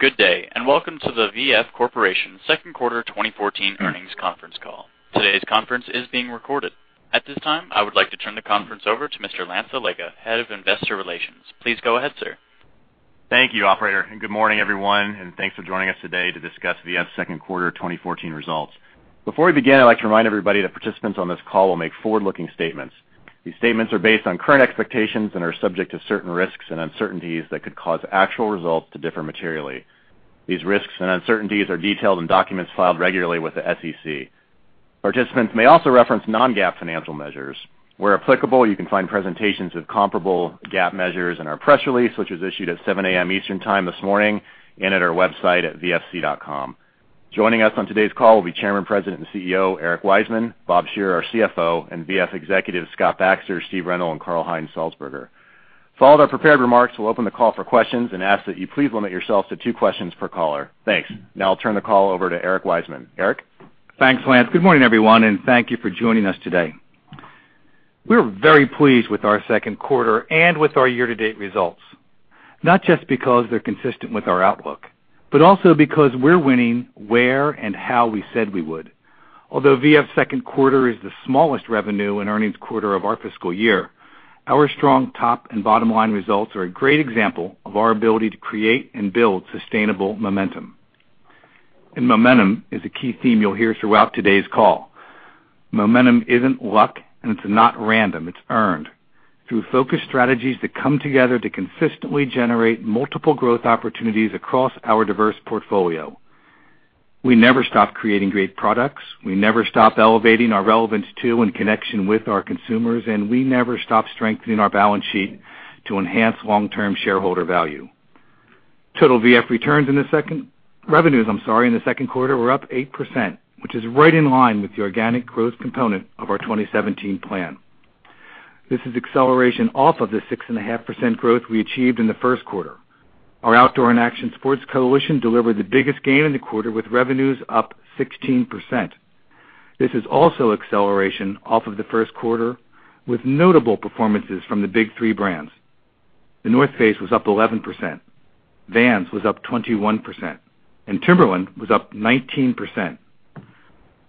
Good day, welcome to the V.F. Corporation second quarter 2014 earnings conference call. Today's conference is being recorded. At this time, I would like to turn the conference over to Mr. Lance Allega, Head of Investor Relations. Please go ahead, sir. Thank you, operator, good morning, everyone, and thanks for joining us today to discuss VF's second quarter 2014 results. Before we begin, I'd like to remind everybody that participants on this call will make forward-looking statements. These statements are based on current expectations and are subject to certain risks and uncertainties that could cause actual results to differ materially. These risks and uncertainties are detailed in documents filed regularly with the SEC. Participants may also reference non-GAAP financial measures. Where applicable, you can find presentations of comparable GAAP measures in our press release, which was issued at 7:00 A.M. Eastern Time this morning, and at our website at vfc.com. Joining us on today's call will be Chairman, President, and CEO, Eric Wiseman; Bob Shearer, our CFO; and VF executives Scott Baxter, Steve Rendle, and Karl-Heinz Salzburger. Following our prepared remarks, we'll open the call for questions and ask that you please limit yourselves to two questions per caller. Thanks. Now I'll turn the call over to Eric Wiseman. Eric? Thanks, Lance. Good morning, everyone, thank you for joining us today. We're very pleased with our second quarter and with our year-to-date results, not just because they're consistent with our outlook, but also because we're winning where and how we said we would. Although VF's second quarter is the smallest revenue and earnings quarter of our fiscal year, our strong top and bottom line results are a great example of our ability to create and build sustainable momentum. Momentum is a key theme you'll hear throughout today's call. Momentum isn't luck, and it's not random. It's earned through focused strategies that come together to consistently generate multiple growth opportunities across our diverse portfolio. We never stop creating great products, we never stop elevating our relevance to and connection with our consumers, and we never stop strengthening our balance sheet to enhance long-term shareholder value. Total VF revenues in the second quarter were up 8%, which is right in line with the organic growth component of our 2017 plan. This is acceleration off of the 6.5% growth we achieved in the first quarter. Our Outdoor & Action Sports coalition delivered the biggest gain in the quarter, with revenues up 16%. This is also acceleration off of the first quarter, with notable performances from the big three brands. The North Face was up 11%, Vans was up 21%, and Timberland was up 19%.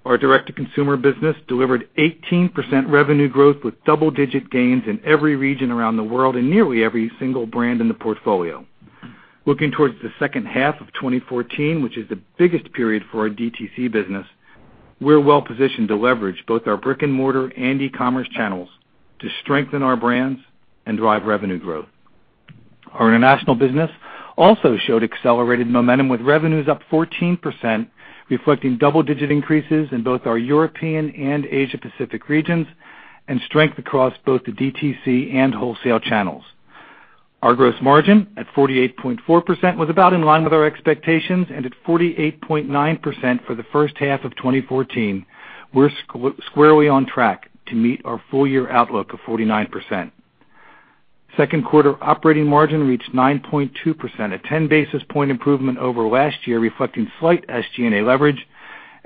Our direct-to-consumer business delivered 18% revenue growth, with double-digit gains in every region around the world and nearly every single brand in the portfolio. Looking towards the second half of 2014, which is the biggest period for our DTC business, we're well positioned to leverage both our brick-and-mortar and e-commerce channels to strengthen our brands and drive revenue growth. Our international business also showed accelerated momentum, with revenues up 14%, reflecting double-digit increases in both our European and Asia Pacific regions, and strength across both the DTC and wholesale channels. Our gross margin, at 48.4%, was about in line with our expectations, and at 48.9% for the first half of 2014, we're squarely on track to meet our full-year outlook of 49%. Second quarter operating margin reached 9.2%, a 10-basis point improvement over last year, reflecting slight SG&A leverage,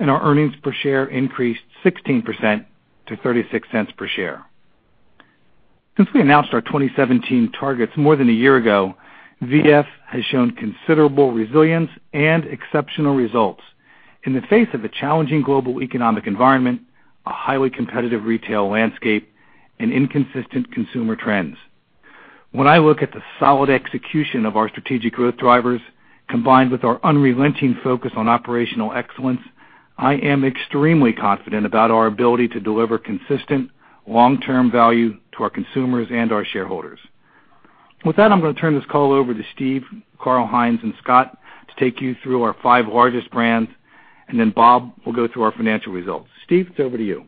our earnings per share increased 16% to $0.36 per share. Since we announced our 2017 targets more than a year ago, VF has shown considerable resilience and exceptional results in the face of a challenging global economic environment, a highly competitive retail landscape, and inconsistent consumer trends. When I look at the solid execution of our strategic growth drivers, combined with our unrelenting focus on operational excellence, I am extremely confident about our ability to deliver consistent long-term value to our consumers and our shareholders. With that, I'm going to turn this call over to Steve, Karl-Heinz, and Scott to take you through our five largest brands, and then Bob will go through our financial results. Steve, it's over to you.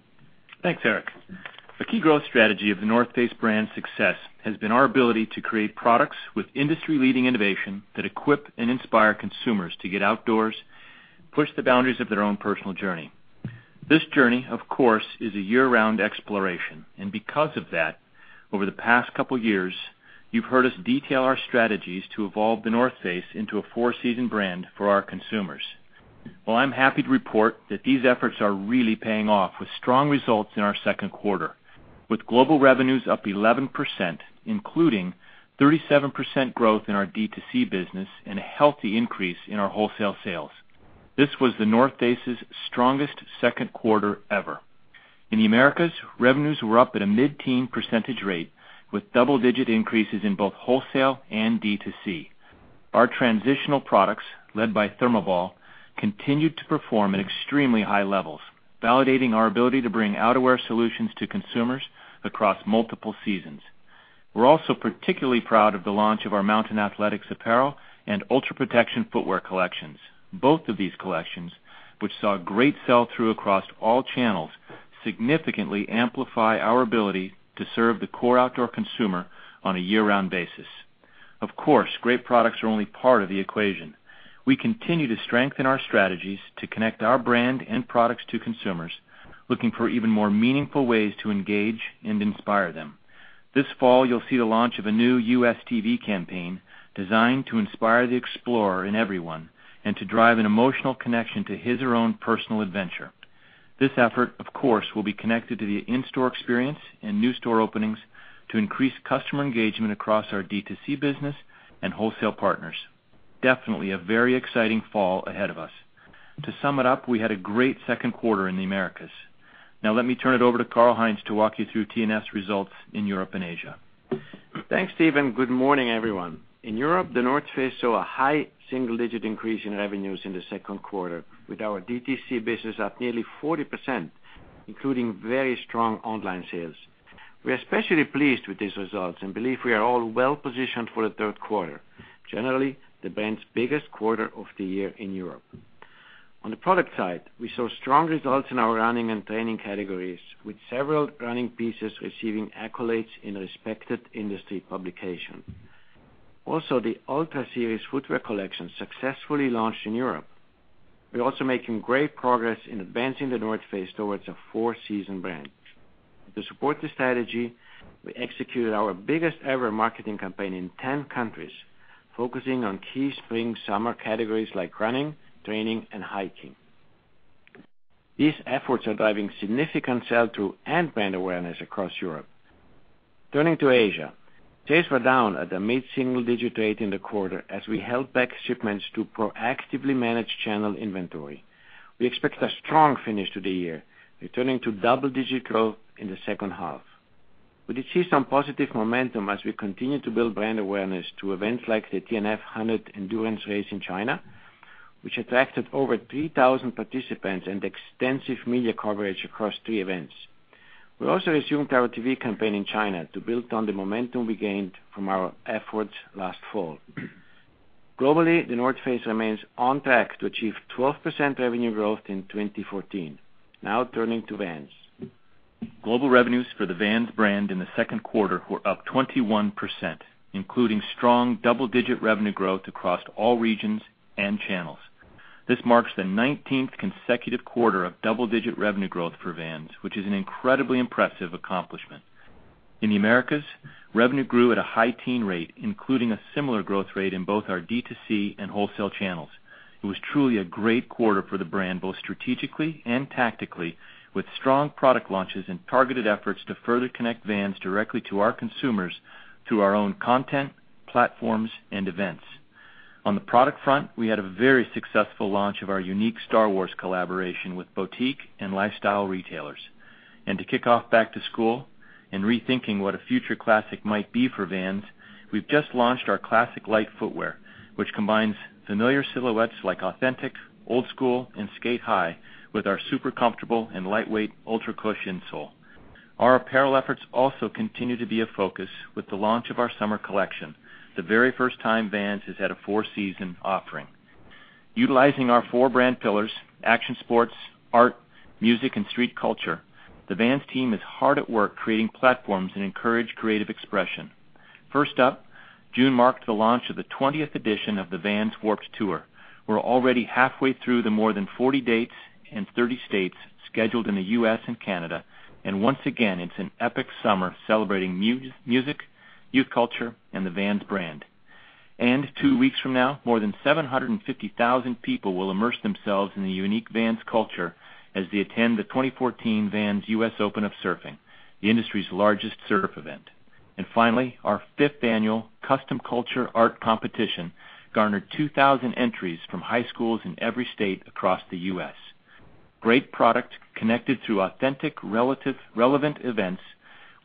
Thanks, Eric. A key growth strategy of The North Face brand's success has been our ability to create products with industry-leading innovation that equip and inspire consumers to get outdoors, push the boundaries of their own personal journey. This journey, of course, is a year-round exploration, because of that, over the past couple years, you've heard us detail our strategies to evolve The North Face into a four-season brand for our consumers. Well, I'm happy to report that these efforts are really paying off with strong results in our second quarter. With global revenues up 11%, including 37% growth in our D2C business and a healthy increase in our wholesale sales. This was The North Face's strongest second quarter ever. In the Americas, revenues were up at a mid-teen percentage rate, with double-digit increases in both wholesale and D2C. Our transitional products, led by ThermoBall, continued to perform at extremely high levels, validating our ability to bring outerwear solutions to consumers across multiple seasons. We are also particularly proud of the launch of our Mountain Athletics apparel and Ultra Protection footwear collections. Both of these collections, which saw great sell-through across all channels, significantly amplify our ability to serve the core outdoor consumer on a year-round basis. Of course, great products are only part of the equation. We continue to strengthen our strategies to connect our brand and products to consumers, looking for even more meaningful ways to engage and inspire them. This fall, you will see the launch of a new U.S. TV campaign designed to inspire the explorer in everyone and to drive an emotional connection to his or own personal adventure. This effort, of course, will be connected to the in-store experience and new store openings to increase customer engagement across our D2C business and wholesale partners. Definitely a very exciting fall ahead of us. To sum it up, we had a great second quarter in the Americas. Let me turn it over to Karl-Heinz to walk you through TNF results in Europe and Asia. Thanks, Steve. Good morning, everyone. In Europe, The North Face saw a high single-digit increase in revenues in the second quarter with our DTC business up nearly 40%, including very strong online sales. We are especially pleased with these results and believe we are all well positioned for the third quarter, generally the brand's biggest quarter of the year in Europe. On the product side, we saw strong results in our running and training categories, with several running pieces receiving accolades in respected industry publication. The Ultra Series footwear collection successfully launched in Europe. We are also making great progress in advancing The North Face towards a four-season brand. To support the strategy, we executed our biggest ever marketing campaign in 10 countries, focusing on key spring/summer categories like running, training, and hiking. These efforts are driving significant sell-through and brand awareness across Europe. Turning to Asia. Sales were down at a mid-single-digit rate in the quarter as we held back shipments to proactively manage channel inventory. We expect a strong finish to the year, returning to double-digit growth in the second half. We did see some positive momentum as we continue to build brand awareness to events like the TNF 100 endurance race in China, which attracted over 3,000 participants and extensive media coverage across three events. We also resumed our TV campaign in China to build on the momentum we gained from our efforts last fall. Globally, The North Face remains on track to achieve 12% revenue growth in 2014. Turning to Vans. Global revenues for the Vans brand in the second quarter were up 21%, including strong double-digit revenue growth across all regions and channels. This marks the 19th consecutive quarter of double-digit revenue growth for Vans, which is an incredibly impressive accomplishment. In the Americas, revenue grew at a high teen rate, including a similar growth rate in both our D2C and wholesale channels. It was truly a great quarter for the brand, both strategically and tactically, with strong product launches and targeted efforts to further connect Vans directly to our consumers through our own content, platforms, and events. On the product front, we had a very successful launch of our unique Star Wars collaboration with boutique and lifestyle retailers. To kick off back to school and rethinking what a future classic might be for Vans, we've just launched our Classic Lites footwear, which combines familiar silhouettes like Authentic, Old Skool, and Sk8-Hi with our super comfortable and lightweight UltraCush insole. Our apparel efforts also continue to be a focus with the launch of our summer collection, the very first time Vans has had a four-season offering. Utilizing our four brand pillars, action sports, art, music, and street culture, the Vans team is hard at work creating platforms that encourage creative expression. First up, June marked the launch of the 20th edition of the Vans Warped Tour. We're already halfway through the more than 40 dates and 30 states scheduled in the U.S. and Canada, once again, it's an epic summer celebrating music, youth culture, and the Vans brand. Two weeks from now, more than 750,000 people will immerse themselves in the unique Vans culture as they attend the 2014 Vans US Open of Surfing, the industry's largest surf event. Finally, our fifth annual Custom Culture Art Competition garnered 2,000 entries from high schools in every state across the U.S. Great product connected through authentic, relevant events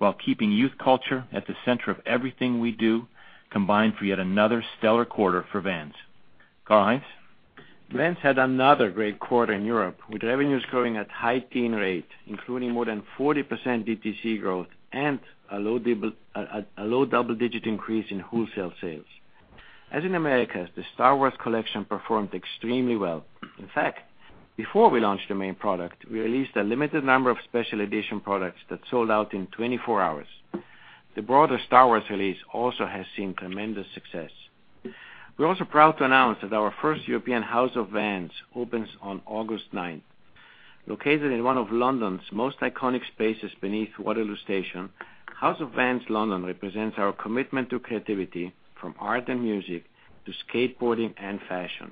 while keeping youth culture at the center of everything we do, combined for yet another stellar quarter for Vans. Karl-Heinz? Vans had another great quarter in Europe, with revenues growing at high teen rate, including more than 40% DTC growth and a low double-digit increase in wholesale sales. As in Americas, the Star Wars collection performed extremely well. In fact, before we launched the main product, we released a limited number of special edition products that sold out in 24 hours. The broader Star Wars release also has seen tremendous success. We're also proud to announce that our first European House of Vans opens on August 9th. Located in one of London's most iconic spaces beneath Waterloo Station, House of Vans London represents our commitment to creativity from art and music to skateboarding and fashion.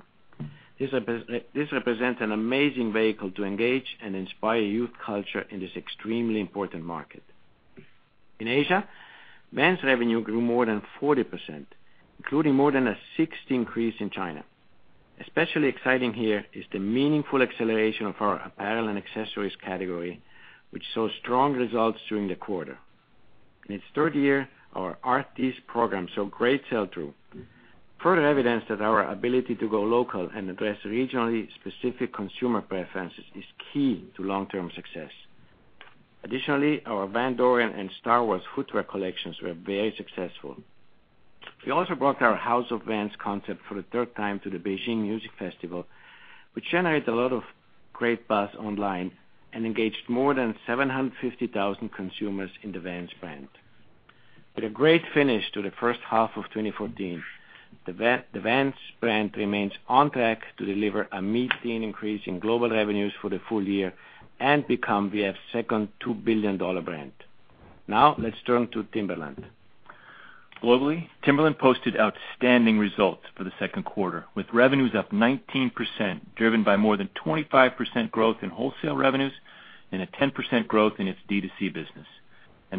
This represents an amazing vehicle to engage and inspire youth culture in this extremely important market. In Asia, Vans revenue grew more than 40%, including more than a 60% increase in China. Especially exciting here is the meaningful acceleration of our apparel and accessories category, which saw strong results during the quarter. In its third year, our RTS programs saw great sell-through. Further evidence that our ability to go local and address regionally specific consumer preferences is key to long-term success. Additionally, our Van Doren and Star Wars footwear collections were very successful. We also brought our House of Vans concept for the third time to the Beijing Music Festival, which generated a lot of great buzz online and engaged more than 750,000 consumers in the Vans brand. With a great finish to the first half of 2014, the Vans brand remains on track to deliver a mid-teen increase in global revenues for the full year and become VF's second $2 billion brand. Now let's turn to Timberland. Globally, Timberland posted outstanding results for the second quarter, with revenues up 19%, driven by more than 25% growth in wholesale revenues and a 10% growth in its D2C business.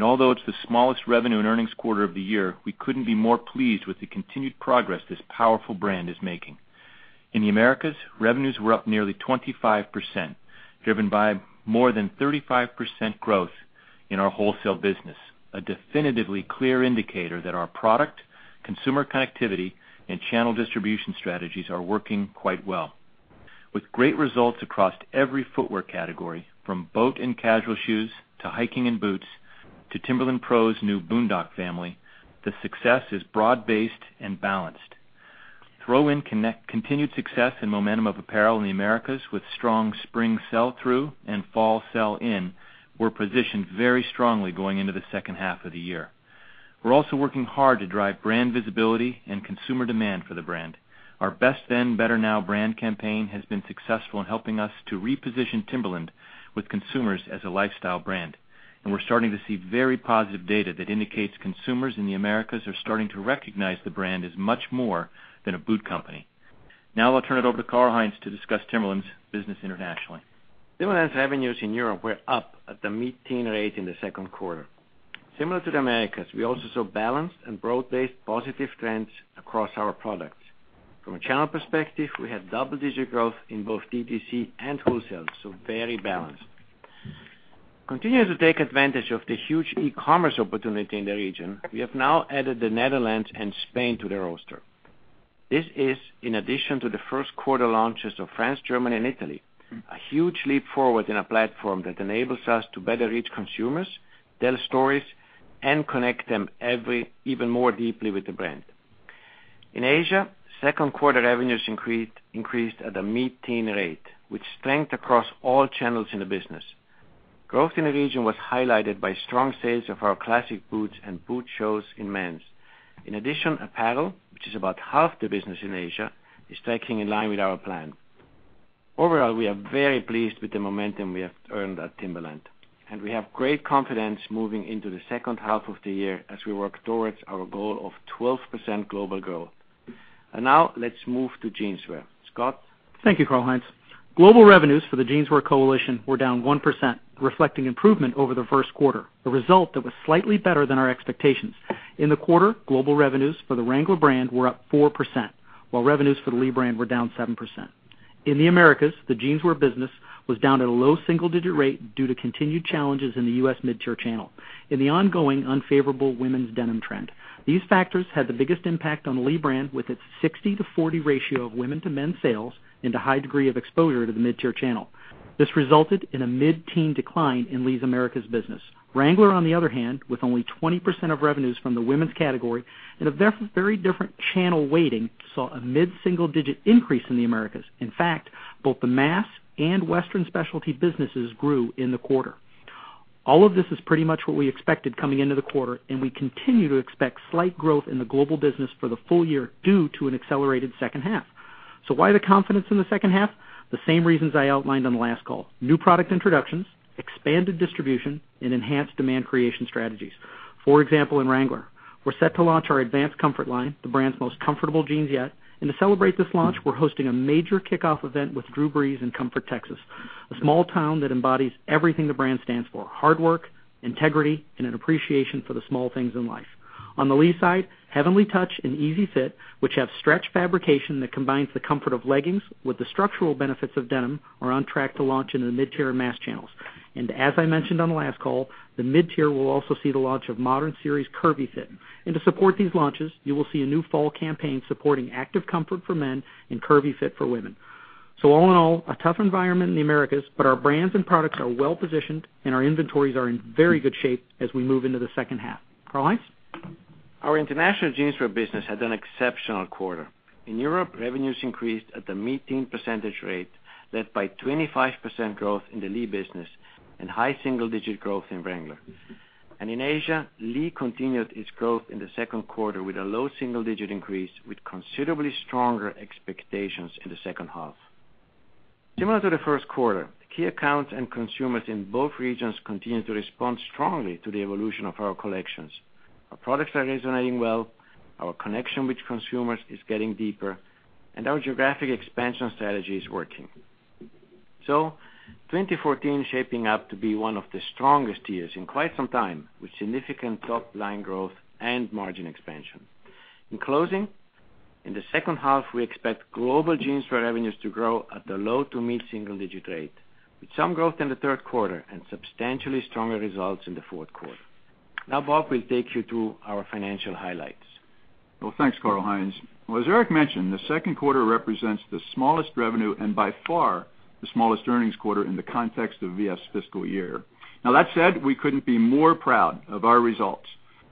Although it's the smallest revenue and earnings quarter of the year, we couldn't be more pleased with the continued progress this powerful brand is making. In the Americas, revenues were up nearly 25%, driven by more than 35% growth in our wholesale business. A definitively clear indicator that our product, consumer connectivity, and channel distribution strategies are working quite well. With great results across every footwear category, from boat and casual shoes, to hiking and boots, to Timberland PRO's new Boondock family, the success is broad-based and balanced. Throw in continued success and momentum of apparel in the Americas with strong spring sell-through and fall sell in, we're positioned very strongly going into the second half of the year. We're also working hard to drive brand visibility and consumer demand for the brand. Our Best Then. Better Now. brand campaign has been successful in helping us to reposition Timberland with consumers as a lifestyle brand. We're starting to see very positive data that indicates consumers in the Americas are starting to recognize the brand as much more than a boot company. Now I'll turn it over to Karl-Heinz to discuss Timberland's business internationally. Timberland's revenues in Europe were up at the mid-teen rate in the second quarter. Similar to the Americas, we also saw balanced and broad-based positive trends across our products. From a channel perspective, we had double-digit growth in both D2C and wholesale, so very balanced. Continuing to take advantage of the huge e-commerce opportunity in the region, we have now added the Netherlands and Spain to the roster. This is in addition to the first quarter launches of France, Germany, and Italy. A huge leap forward in a platform that enables us to better reach consumers, tell stories, and connect them even more deeply with the brand. In Asia, second quarter revenues increased at a mid-teen rate with strength across all channels in the business. Growth in the region was highlighted by strong sales of our classic boots and boot shoes in men's. In addition, apparel, which is about half the business in Asia, is tracking in line with our plan. Overall, we are very pleased with the momentum we have earned at Timberland, and we have great confidence moving into the second half of the year as we work towards our goal of 12% global growth. Now let's move to Jeanswear. Scott? Thank you, Karl-Heinz. Global revenues for the Jeanswear coalition were down 1%, reflecting improvement over the first quarter, a result that was slightly better than our expectations. In the quarter, global revenues for the Wrangler brand were up 4%, while revenues for the Lee brand were down 7%. In the Americas, the Jeanswear business was down at a low single-digit rate due to continued challenges in the U.S. mid-tier channel. In the ongoing unfavorable women's denim trend, these factors had the biggest impact on the Lee brand, with its 60/40 ratio of women to men's sales and a high degree of exposure to the mid-tier channel. This resulted in a mid-teen decline in Lee's Americas business. Wrangler, on the other hand, with only 20% of revenues from the women's category and a very different channel weighting, saw a mid-single digit increase in the Americas. In fact, both the mass and Western specialty businesses grew in the quarter. All of this is pretty much what we expected coming into the quarter, we continue to expect slight growth in the global business for the full year due to an accelerated second half. Why the confidence in the second half? The same reasons I outlined on the last call. New product introductions, expanded distribution, and enhanced demand creation strategies. For example, in Wrangler, we're set to launch our Advanced Comfort line, the brand's most comfortable jeans yet. To celebrate this launch, we're hosting a major kickoff event with Drew Brees in Comfort, Texas, a small town that embodies everything the brand stands for. Hard work, integrity, and an appreciation for the small things in life. On the Lee side, Heavenly Touch and Easy Fit, which have stretch fabrication that combines the comfort of leggings with the structural benefits of denim, are on track to launch into the mid-tier and mass channels. As I mentioned on the last call, the mid-tier will also see the launch of Modern Series Curvy Fit. To support these launches, you will see a new fall campaign supporting active comfort for men and Curvy Fit for women. All in all, a tough environment in the Americas, but our brands and products are well-positioned, and our inventories are in very good shape as we move into the second half. Karl-Heinz? Our international Jeanswear business had an exceptional quarter. In Europe, revenues increased at the mid-teen percentage rate, led by 25% growth in the Lee business and high single-digit growth in Wrangler. In Asia, Lee continued its growth in the second quarter with a low single-digit increase with considerably stronger expectations in the second half. Similar to the first quarter, key accounts and consumers in both regions continue to respond strongly to the evolution of our collections. Our products are resonating well. Our connection with consumers is getting deeper, our geographic expansion strategy is working. 2014 is shaping up to be one of the strongest years in quite some time, with significant top-line growth and margin expansion. In closing, in the second half, we expect global Jeanswear revenues to grow at a low to mid-single digit rate, with some growth in the third quarter and substantially stronger results in the fourth quarter. Bob will take you through our financial highlights. Thanks, Karl-Heinz. As Eric mentioned, the second quarter represents the smallest revenue and by far the smallest earnings quarter in the context of VF's fiscal year. That said, we couldn't be more proud of our results.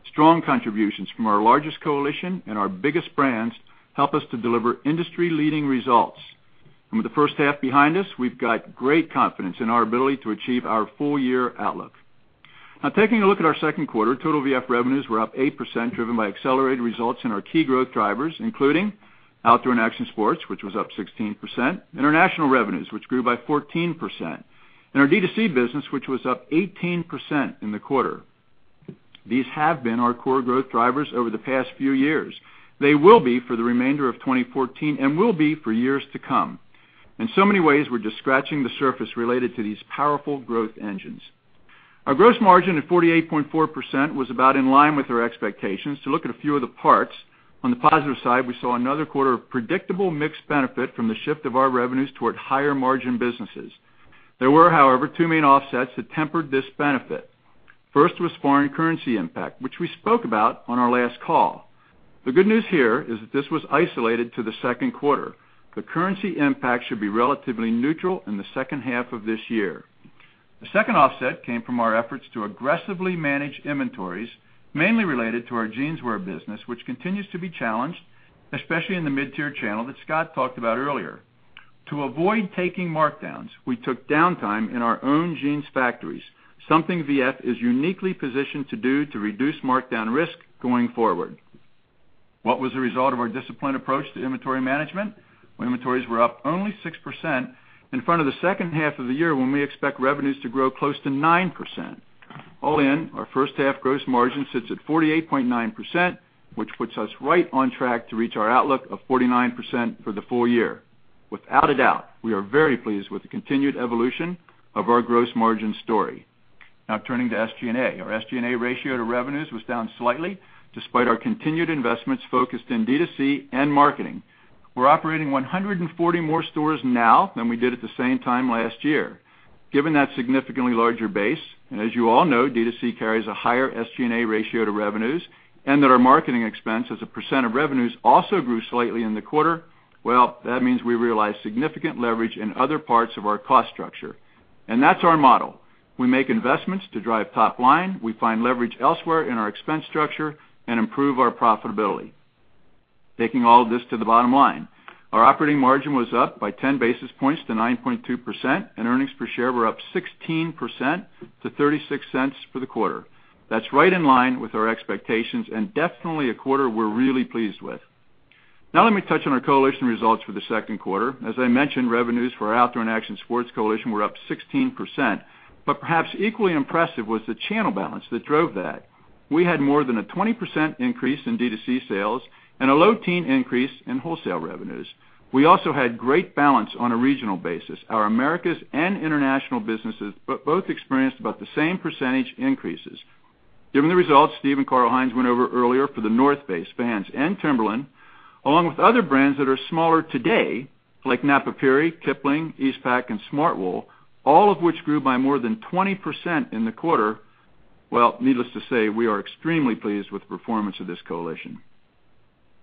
Strong contributions from our largest coalition and our biggest brands help us to deliver industry-leading results. With the first half behind us, we've got great confidence in our ability to achieve our full-year outlook. Taking a look at our second quarter, total VF revenues were up 8%, driven by accelerated results in our key growth drivers, including Outdoor and Action Sports, which was up 16%, international revenues, which grew by 14%, and our D2C business, which was up 18% in the quarter. These have been our core growth drivers over the past few years. They will be for the remainder of 2014 and will be for years to come. In so many ways, we're just scratching the surface related to these powerful growth engines. Our gross margin at 48.4% was about in line with our expectations. To look at a few of the parts, on the positive side, we saw another quarter of predictable mixed benefit from the shift of our revenues toward higher-margin businesses. There were, however, two main offsets that tempered this benefit. First was foreign currency impact, which we spoke about on our last call. The good news here is that this was isolated to the second quarter. The currency impact should be relatively neutral in the second half of this year. The second offset came from our efforts to aggressively manage inventories, mainly related to our Jeanswear business, which continues to be challenged, especially in the mid-tier channel that Scott talked about earlier. To avoid taking markdowns, we took downtime in our own jeans factories, something V.F. is uniquely positioned to do to reduce markdown risk going forward. What was the result of our disciplined approach to inventory management? Well, inventories were up only 6% in front of the second half of the year when we expect revenues to grow close to 9%. All in, our first half gross margin sits at 48.9%, which puts us right on track to reach our outlook of 49% for the full year. Without a doubt, we are very pleased with the continued evolution of our gross margin story. Now turning to SG&A. Our SG&A ratio to revenues was down slightly, despite our continued investments focused in D2C and marketing. We're operating 140 more stores now than we did at the same time last year. Given that significantly larger base, as you all know, D2C carries a higher SG&A ratio to revenues, and that our marketing expense as a percent of revenues also grew slightly in the quarter. Well, that means we realize significant leverage in other parts of our cost structure. That's our model. We make investments to drive top line. We find leverage elsewhere in our expense structure and improve our profitability. Taking all of this to the bottom line, our operating margin was up by 10 basis points to 9.2%, and earnings per share were up 16% to $0.36 for the quarter. That's right in line with our expectations and definitely a quarter we're really pleased with. Let me touch on our coalition results for the second quarter. As I mentioned, revenues for Outdoor & Action Sports coalition were up 16%, but perhaps equally impressive was the channel balance that drove that. We had more than a 20% increase in D2C sales and a low teen increase in wholesale revenues. We also had great balance on a regional basis. Our Americas and international businesses both experienced about the same percentage increases. Given the results Steve and Karl-Heinz went over earlier for The North Face, Vans, and Timberland, along with other brands that are smaller today, like Napapijri, Kipling, Eastpak, and Smartwool, all of which grew by more than 20% in the quarter. Well, needless to say, we are extremely pleased with the performance of this coalition.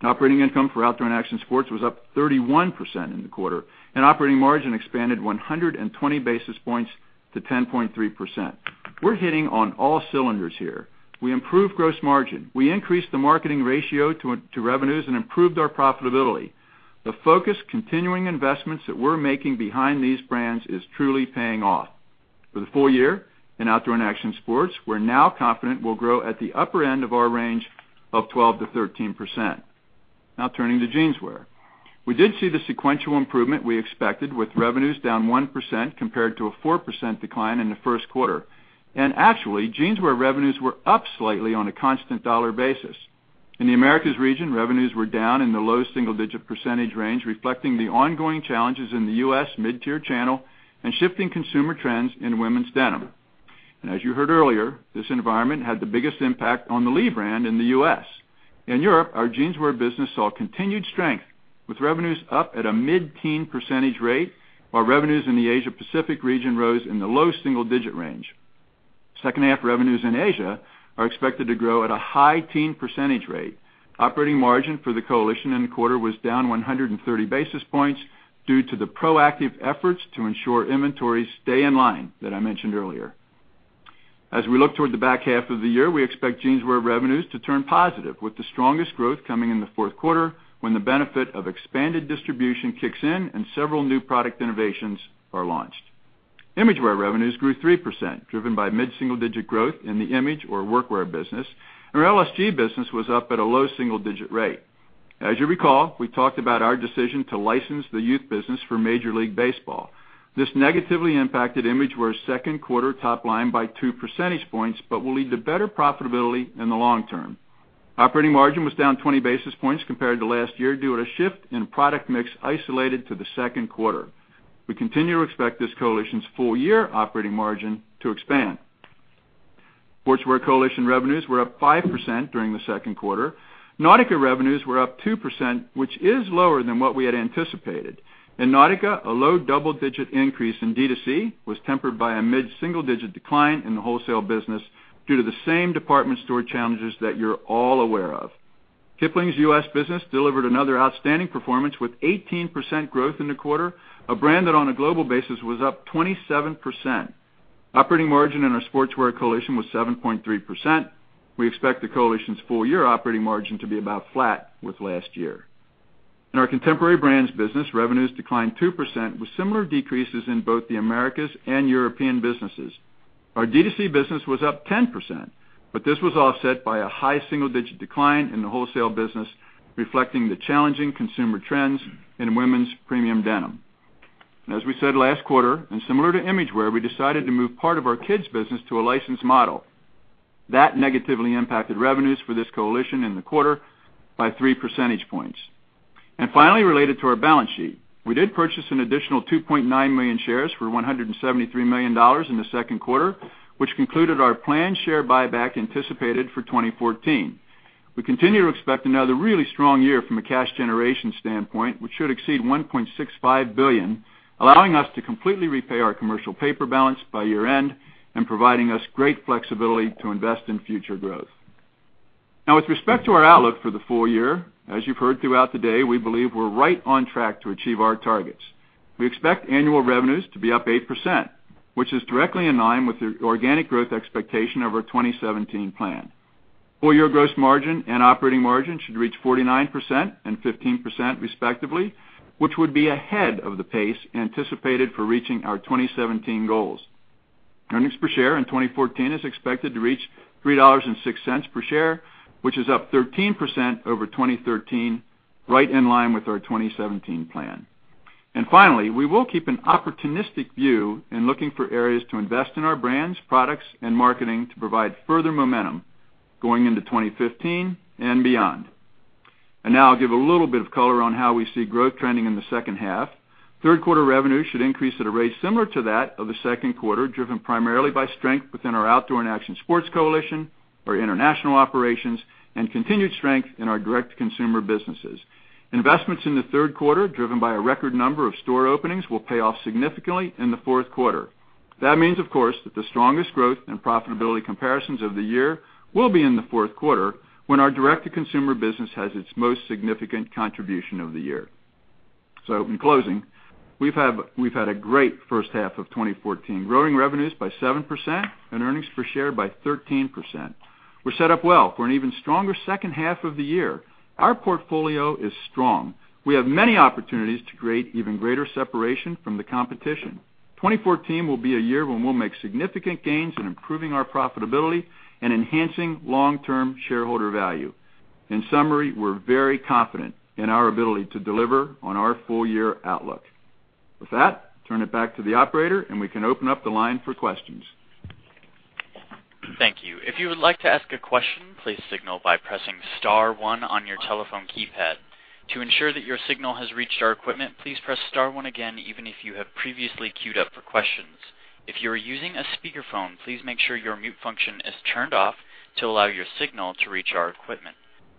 Operating income for Outdoor & Action Sports was up 31% in the quarter, and operating margin expanded 120 basis points to 10.3%. We're hitting on all cylinders here. We improved gross margin. We increased the marketing ratio to revenues and improved our profitability. The focused continuing investments that we're making behind these brands is truly paying off. For the full year in Outdoor & Action Sports, we're now confident we'll grow at the upper end of our range of 12%-13%. Turning to Jeanswear. We did see the sequential improvement we expected with revenues down 1% compared to a 4% decline in the first quarter. Actually, Jeanswear revenues were up slightly on a constant dollar basis. In the Americas region, revenues were down in the low single-digit percentage range, reflecting the ongoing challenges in the U.S. mid-tier channel and shifting consumer trends in women's denim. As you heard earlier, this environment had the biggest impact on the Lee brand in the U.S. In Europe, our Jeanswear business saw continued strength, with revenues up at a mid-teen percentage rate, while revenues in the Asia-Pacific region rose in the low single-digit range. Second half revenues in Asia are expected to grow at a high teen percentage rate. Operating margin for the coalition in the quarter was down 130 basis points due to the proactive efforts to ensure inventories stay in line that I mentioned earlier. As we look toward the back half of the year, we expect Jeanswear revenues to turn positive, with the strongest growth coming in the fourth quarter when the benefit of expanded distribution kicks in and several new product innovations are launched. Imagewear revenues grew 3%, driven by mid-single-digit growth in the Imagewear workwear business. Our LSG business was up at a low single-digit rate. As you recall, we talked about our decision to license the youth business for Major League Baseball. This negatively impacted Imagewear's second quarter top line by 2 percentage points, but will lead to better profitability in the long term. Operating margin was down 20 basis points compared to last year due to a shift in product mix isolated to the second quarter. We continue to expect this coalition's full-year operating margin to expand. Sportswear coalition revenues were up 5% during the second quarter. Nautica revenues were up 2%, which is lower than what we had anticipated. In Nautica, a low double-digit increase in D2C was tempered by a mid-single-digit decline in the wholesale business due to the same department store challenges that you're all aware of. Kipling's U.S. business delivered another outstanding performance with 18% growth in the quarter, a brand that on a global basis was up 27%. Operating margin in our Sportswear coalition was 7.3%. We expect the coalition's full-year operating margin to be about flat with last year. In our contemporary brands business, revenues declined 2% with similar decreases in both the Americas and European businesses. Our D2C business was up 10%, but this was offset by a high single-digit decline in the wholesale business, reflecting the challenging consumer trends in women's premium denim. As we said last quarter, and similar to Imagewear, we decided to move part of our kids' business to a licensed model. That negatively impacted revenues for this coalition in the quarter by 3 percentage points. Finally, related to our balance sheet, we did purchase an additional 2.9 million shares for $173 million in the second quarter, which concluded our planned share buyback anticipated for 2014. We continue to expect another really strong year from a cash generation standpoint, which should exceed $1.65 billion, allowing us to completely repay our commercial paper balance by year-end and providing us great flexibility to invest in future growth. With respect to our outlook for the full year, as you've heard throughout the day, we believe we're right on track to achieve our targets. We expect annual revenues to be up 8%, which is directly in line with the organic growth expectation of our 2017 plan. Full-year gross margin and operating margin should reach 49% and 15%, respectively, which would be ahead of the pace anticipated for reaching our 2017 goals. Earnings per share in 2014 is expected to reach $3.06 per share, which is up 13% over 2013, right in line with our 2017 plan. Finally, we will keep an opportunistic view in looking for areas to invest in our brands, products, and marketing to provide further momentum going into 2015 and beyond. Now I'll give a little bit of color on how we see growth trending in the second half. Third quarter revenues should increase at a rate similar to that of the second quarter, driven primarily by strength within our Outdoor & Action Sports coalition, our international operations, and continued strength in our direct-to-consumer businesses. Investments in the third quarter, driven by a record number of store openings, will pay off significantly in the fourth quarter. That means, of course, that the strongest growth and profitability comparisons of the year will be in the fourth quarter, when our direct-to-consumer business has its most significant contribution of the year. In closing, we've had a great first half of 2014, growing revenues by 7% and earnings per share by 13%. We're set up well for an even stronger second half of the year. Our portfolio is strong. We have many opportunities to create even greater separation from the competition. 2014 will be a year when we'll make significant gains in improving our profitability and enhancing long-term shareholder value. In summary, we're very confident in our ability to deliver on our full-year outlook. With that, I'll turn it back to the operator, and we can open up the line for questions. Thank you. If you would like to ask a question, please signal by pressing *1 on your telephone keypad. To ensure that your signal has reached our equipment, please press *1 again, even if you have previously queued up for questions. If you are using a speakerphone, please make sure your mute function is turned off to allow your signal to reach our equipment.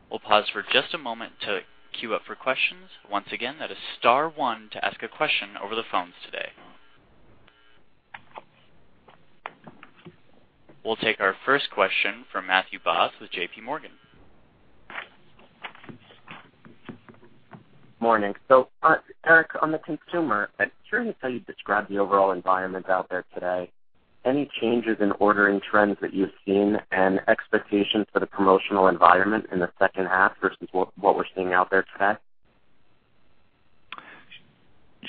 We'll pause for just a moment to queue up for questions. Once again, that is *1 to ask a question over the phones today. We'll take our first question from Matthew Boss with J.P. Morgan. Morning. Eric, on the consumer, I'm curious how you'd describe the overall environment out there today. Any changes in ordering trends that you've seen and expectations for the promotional environment in the second half versus what we're seeing out there today?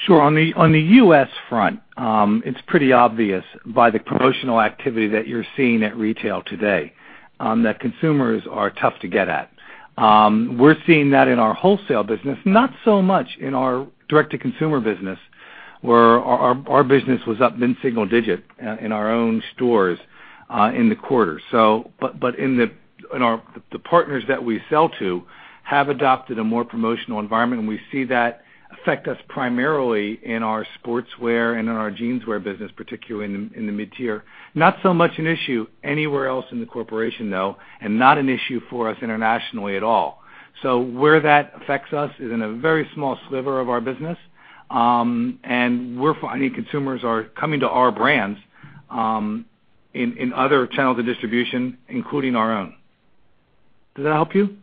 Sure. On the U.S. front, it's pretty obvious by the promotional activity that you're seeing at retail today, that consumers are tough to get at. We're seeing that in our wholesale business, not so much in our direct-to-consumer business, where our business was up mid-single digit in our own stores in the quarter. The partners that we sell to have adopted a more promotional environment, and we see that affect us primarily in our Sportswear and in our Jeanswear business, particularly in the mid-tier. Not so much an issue anywhere else in the corporation, though, and not an issue for us internationally at all. Where that affects us is in a very small sliver of our business. We're finding consumers are coming to our brands, in other channels of distribution, including our own. Does that help you?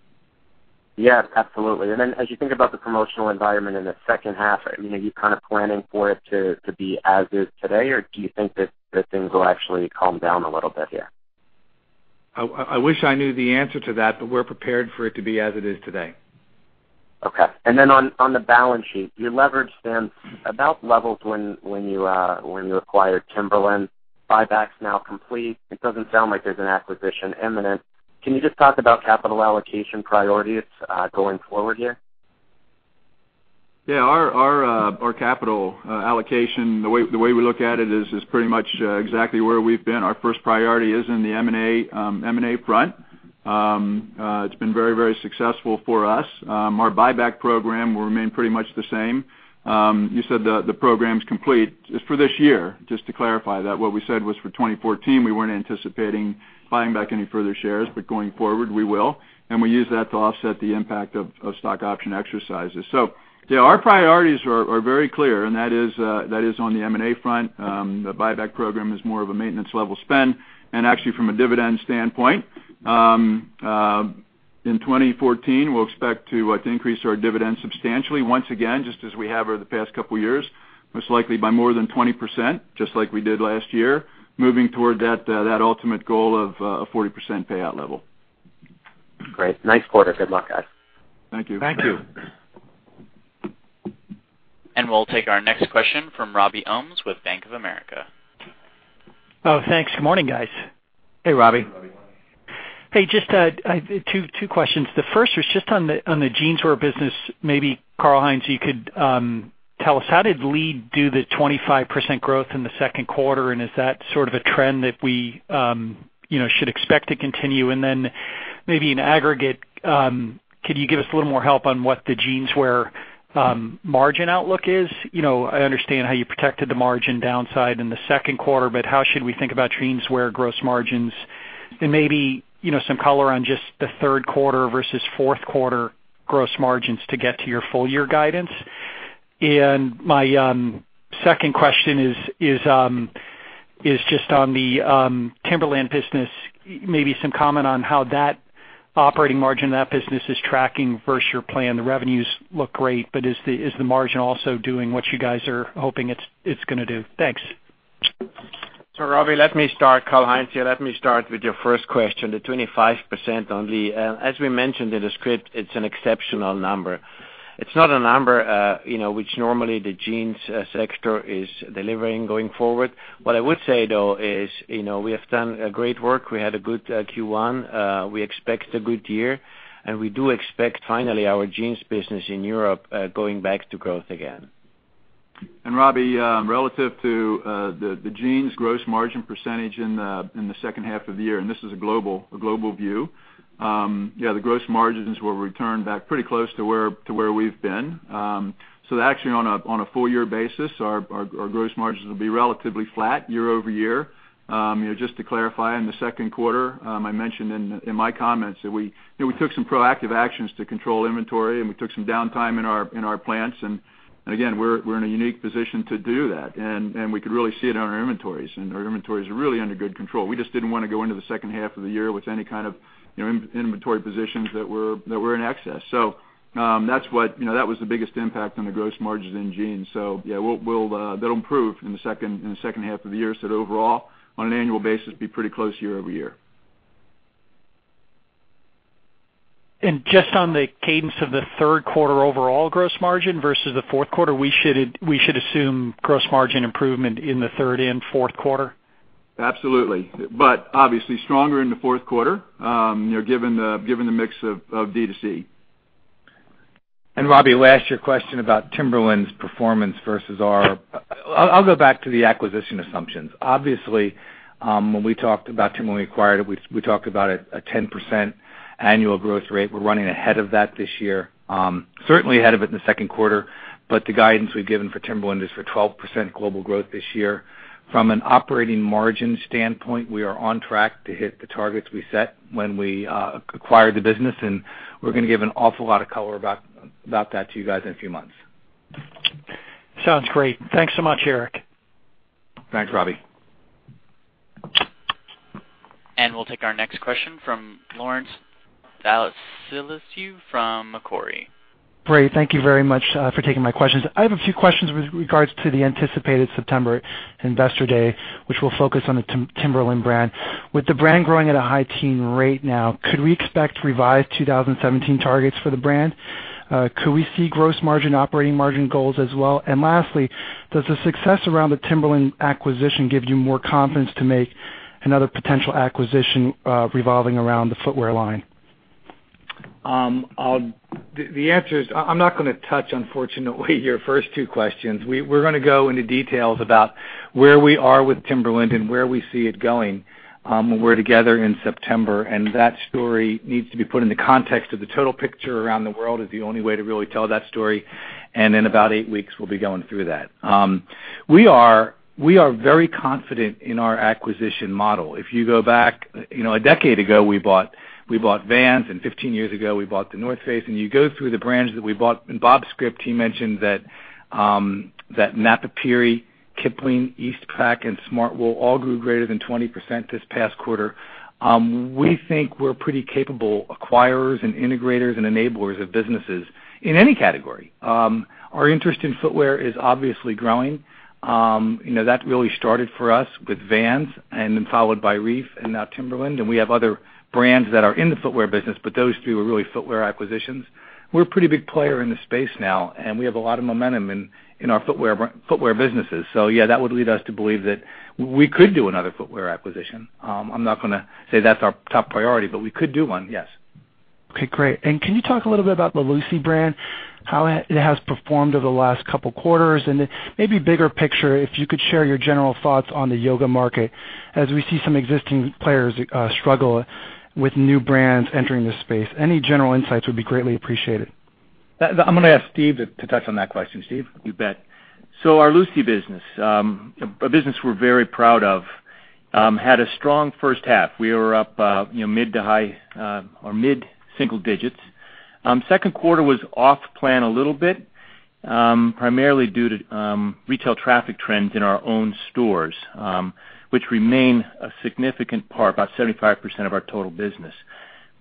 Yes, absolutely. As you think about the promotional environment in the second half, are you planning for it to be as is today, or do you think that things will actually calm down a little bit here? I wish I knew the answer to that, we're prepared for it to be as it is today. Okay. On the balance sheet, your leverage spend about levels when you acquired Timberland. Buyback's now complete. It doesn't sound like there's an acquisition imminent. Can you just talk about capital allocation priorities going forward here? Yeah, our capital allocation, the way we look at it is pretty much exactly where we've been. Our first priority is in the M&A front. It's been very successful for us. Our buyback program will remain pretty much the same. You said the program's complete. It's for this year, just to clarify that. What we said was for 2014, we weren't anticipating buying back any further shares, but going forward, we will. We use that to offset the impact of stock option exercises. Yeah, our priorities are very clear, and that is on the M&A front. The buyback program is more of a maintenance-level spend. Actually, from a dividend standpoint, in 2014, we'll expect to increase our dividend substantially once again, just as we have over the past couple of years, most likely by more than 20%, just like we did last year, moving toward that ultimate goal of a 40% payout level. Great. Nice quarter. Good luck, guys. Thank you. We'll take our next question from Robert Ohmes with Bank of America. Thanks. Good morning, guys. Hey, Robbie. Hey, just two questions. The first was just on the Jeanswear business. Maybe Karl-Heinz, you could tell us, how did Lee do the 25% growth in the second quarter, and is that sort of a trend that we should expect to continue? Then maybe in aggregate, could you give us a little more help on what the Jeanswear margin outlook is? I understand how you protected the margin downside in the second quarter, but how should we think about Jeanswear gross margins? And maybe some color on just the third quarter versus fourth quarter gross margins to get to your full year guidance. My second question is just on the Timberland business. Maybe some comment on how that operating margin in that business is tracking versus your plan. The revenues look great, but is the margin also doing what you guys are hoping it's going to do? Thanks. Robbie, let me start. Karl-Heinz here. Let me start with your first question, the 25% on Lee. As we mentioned in the script, it's an exceptional number. It's not a number which normally the jeans sector is delivering going forward. What I would say, though, is we have done great work. We had a good Q1. We expect a good year, and we do expect, finally, our jeans business in Europe going back to growth again. Robbie, relative to the jeans gross margin percentage in the second half of the year, and this is a global view. Yeah, the gross margins will return back pretty close to where we've been. Actually on a full year basis, our gross margins will be relatively flat year-over-year. Just to clarify, in the second quarter, I mentioned in my comments that we took some proactive actions to control inventory, and we took some downtime in our plants. Again, we're in a unique position to do that, and we could really see it on our inventories. Our inventories are really under good control. We just didn't want to go into the second half of the year with any kind of inventory positions that were in excess. That was the biggest impact on the gross margins in jeans. Yeah, that'll improve in the second half of the year. Overall, on an annual basis, be pretty close year-over-year. Just on the cadence of the third quarter overall gross margin versus the fourth quarter, we should assume gross margin improvement in the third and fourth quarter? Absolutely. Obviously stronger in the fourth quarter, given the mix of D2C. Robbie, last year question about Timberland's performance versus ours. I'll go back to the acquisition assumptions. Obviously, when we talked about Timberland when we acquired it, we talked about a 10% annual growth rate. We're running ahead of that this year. Certainly ahead of it in the second quarter, but the guidance we've given for Timberland is for 12% global growth this year. From an operating margin standpoint, we are on track to hit the targets we set when we acquired the business, and we're going to give an awful lot of color about that to you guys in a few months. Sounds great. Thanks so much, Eric. Thanks, Robbie. We'll take our next question from Lawrence Vatsilis from Macquarie. Great. Thank you very much for taking my questions. I have a few questions with regards to the anticipated September investor day, which will focus on the Timberland brand. With the brand growing at a high teen rate now, could we expect revised 2017 targets for the brand? Could we see gross margin, operating margin goals as well? Lastly, does the success around the Timberland acquisition give you more confidence to make another potential acquisition revolving around the footwear line? The answer is, I'm not going to touch, unfortunately, your first two questions. We're going to go into details about where we are with Timberland and where we see it going when we're together in September. That story needs to be put in the context of the total picture around the world, is the only way to really tell that story. In about eight weeks, we'll be going through that. We are very confident in our acquisition model. If you go back a decade ago, we bought Vans, 15 years ago, we bought The North Face, and you go through the brands that we bought. In Bob's script, he mentioned that Napapijri, Kipling, Eastpak, and Smartwool all grew greater than 20% this past quarter. We think we're pretty capable acquirers and integrators and enablers of businesses in any category. Our interest in footwear is obviously growing. That really started for us with Vans and then followed by Reef and now Timberland. We have other brands that are in the footwear business, but those two are really footwear acquisitions. We're a pretty big player in the space now, and we have a lot of momentum in our footwear businesses. Yeah, that would lead us to believe that we could do another footwear acquisition. I'm not going to say that's our top priority, but we could do one, yes. Can you talk a little bit about the Lucy brand, how it has performed over the last couple of quarters? Maybe bigger picture, if you could share your general thoughts on the yoga market as we see some existing players struggle with new brands entering the space. Any general insights would be greatly appreciated. I'm going to ask Steve to touch on that question. Steve? You bet. Our Lucy business, a business we're very proud of, had a strong first half. We were up mid to high or mid-single digits. Second quarter was off plan a little bit, primarily due to retail traffic trends in our own stores, which remain a significant part, about 75% of our total business.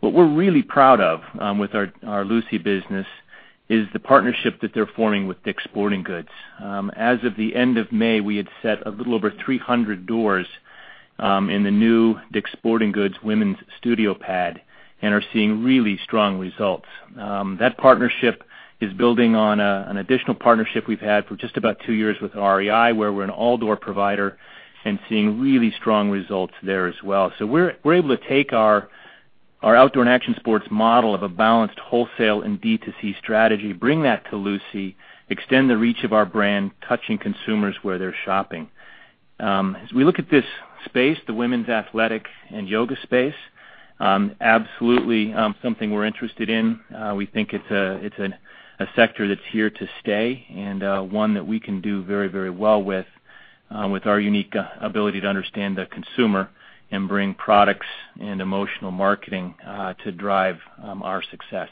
What we're really proud of with our Lucy business is the partnership that they're forming with Dick's Sporting Goods. As of the end of May, we had set a little over 300 doors in the new Dick's Sporting Goods women's studio shop and are seeing really strong results. That partnership is building on an additional partnership we've had for just about two years with REI, where we're an outdoor provider and seeing really strong results there as well. We're able to take our Outdoor and Action Sports model of a balanced wholesale and D2C strategy, bring that to Lucy, extend the reach of our brand, touching consumers where they're shopping. As we look at this space, the women's athletic and yoga space, absolutely something we're interested in. We think it's a sector that's here to stay and one that we can do very well with our unique ability to understand the consumer and bring products and emotional marketing to drive our success.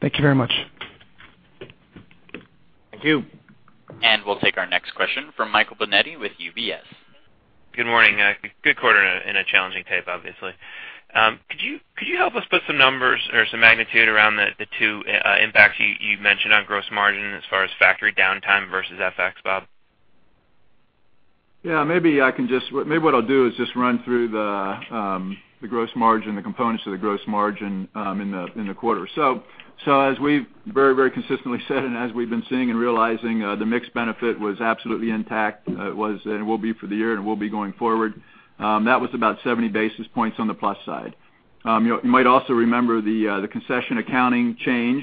Thank you very much. Thank you. We'll take our next question from Michael Binetti with UBS. Good morning. Good quarter in a challenging tape, obviously. Could you help us put some numbers or some magnitude around the two impacts you mentioned on gross margin as far as factory downtime versus FX, Bob? Yeah. Maybe what I'll do is just run through the components of the gross margin in the quarter. As we've very consistently said, and as we've been seeing and realizing, the mix benefit was absolutely intact. It was and will be for the year and will be going forward. That was about 70 basis points on the plus side. You might also remember the concession accounting change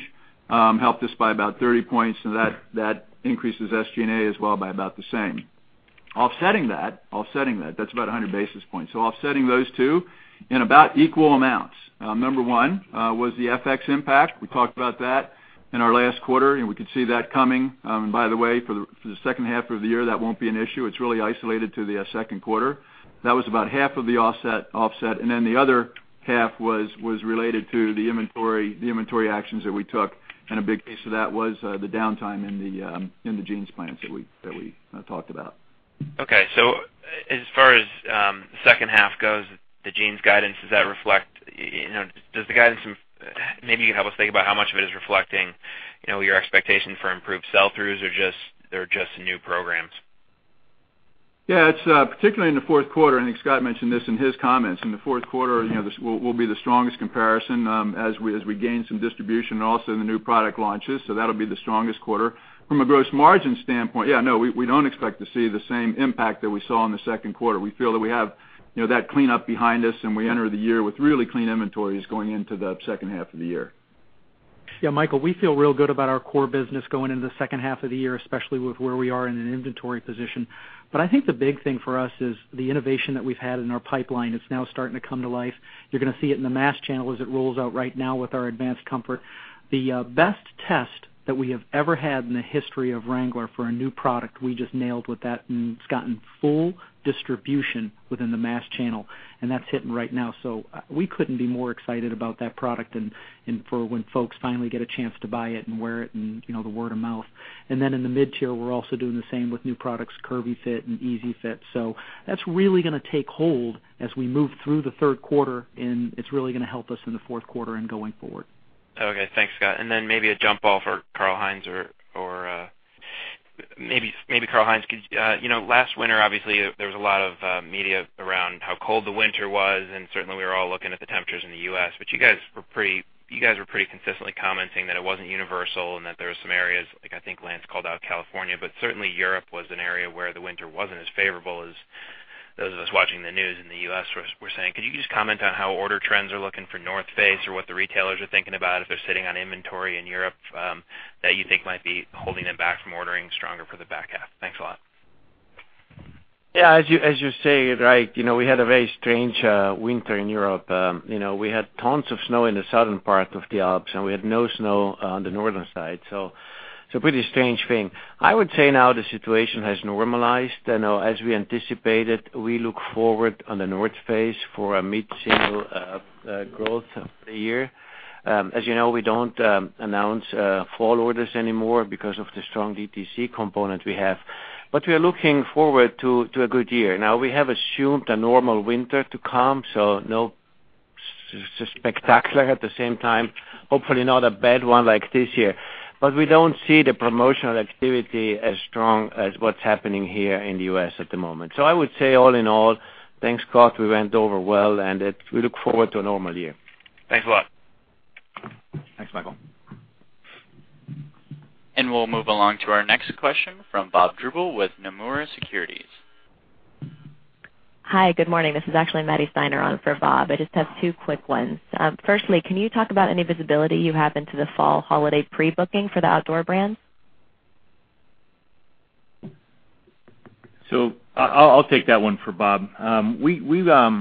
helped us by about 30 points, and that increases SG&A as well by about the same. Offsetting that's about 100 basis points. Offsetting those two in about equal amounts. Number one was the FX impact. We talked about that in our last quarter, and we could see that coming. By the way, for the second half of the year, that won't be an issue. It's really isolated to the second quarter. That was about half of the offset. The other half was related to the inventory actions that we took. A big piece of that was the downtime in the jeans plants that we talked about. As far as the second half goes, the jeans guidance, maybe you can help us think about how much of it is reflecting your expectation for improved sell-throughs or just new programs. Particularly in the fourth quarter, I think Scott mentioned this in his comments, in the fourth quarter, this will be the strongest comparison, as we gain some distribution and also in the new product launches. That will be the strongest quarter. From a gross margin standpoint, we don't expect to see the same impact that we saw in the second quarter. We feel that we have that cleanup behind us, and we enter the year with really clean inventories going into the second half of the year. Michael, we feel real good about our core business going into the second half of the year, especially with where we are in an inventory position. I think the big thing for us is the innovation that we've had in our pipeline. It's now starting to come to life. You're going to see it in the mass channel as it rolls out right now with our Advanced Comfort. The best test that we have ever had in the history of Wrangler for a new product, we just nailed with that, and it's gotten full distribution within the mass channel, and that's hitting right now. We couldn't be more excited about that product and for when folks finally get a chance to buy it and wear it and the word of mouth. In the mid-tier, we're also doing the same with new products, Curvy Fit and Easy Fit. That's really going to take hold as we move through the third quarter, and it's really going to help us in the fourth quarter and going forward. Okay. Thanks, Scott. Maybe a jump-off for Karl-Heinz. Maybe Karl-Heinz, last winter, obviously, there was a lot of media around how cold the winter was, and certainly we were all looking at the temperatures in the U.S. You guys were pretty consistently commenting that it wasn't universal and that there were some areas, like I think Lance called out California, but certainly Europe was an area where the winter wasn't as favorable as those of us watching the news in the U.S. were saying. Could you just comment on how order trends are looking for North Face or what the retailers are thinking about if they're sitting on inventory in Europe that you think might be holding them back from ordering stronger for the back half? Thanks a lot. Yeah. As you say, we had a very strange winter in Europe. We had tons of snow in the southern part of the Alps, and we had no snow on the northern side. Pretty strange thing. I would say now the situation has normalized. As we anticipated, we look forward on The North Face for a mid-single growth for the year. As you know, we don't announce fall orders anymore because of the strong DTC component we have. We are looking forward to a good year. We have assumed a normal winter to come, so not spectacular at the same time, hopefully not a bad one like this year. We don't see the promotional activity as strong as what's happening here in the U.S. at the moment. I would say all in all, thanks, Scott, we went over well, and we look forward to a normal year. Thanks a lot. Thanks, Michael. We'll move along to our next question from Bob Drbul with Nomura Securities. Hi. Good morning. This is actually Maddy Steiner on for Bob. I just have two quick ones. Firstly, can you talk about any visibility you have into the fall holiday pre-booking for the outdoor brands? I'll take that one for Bob. We're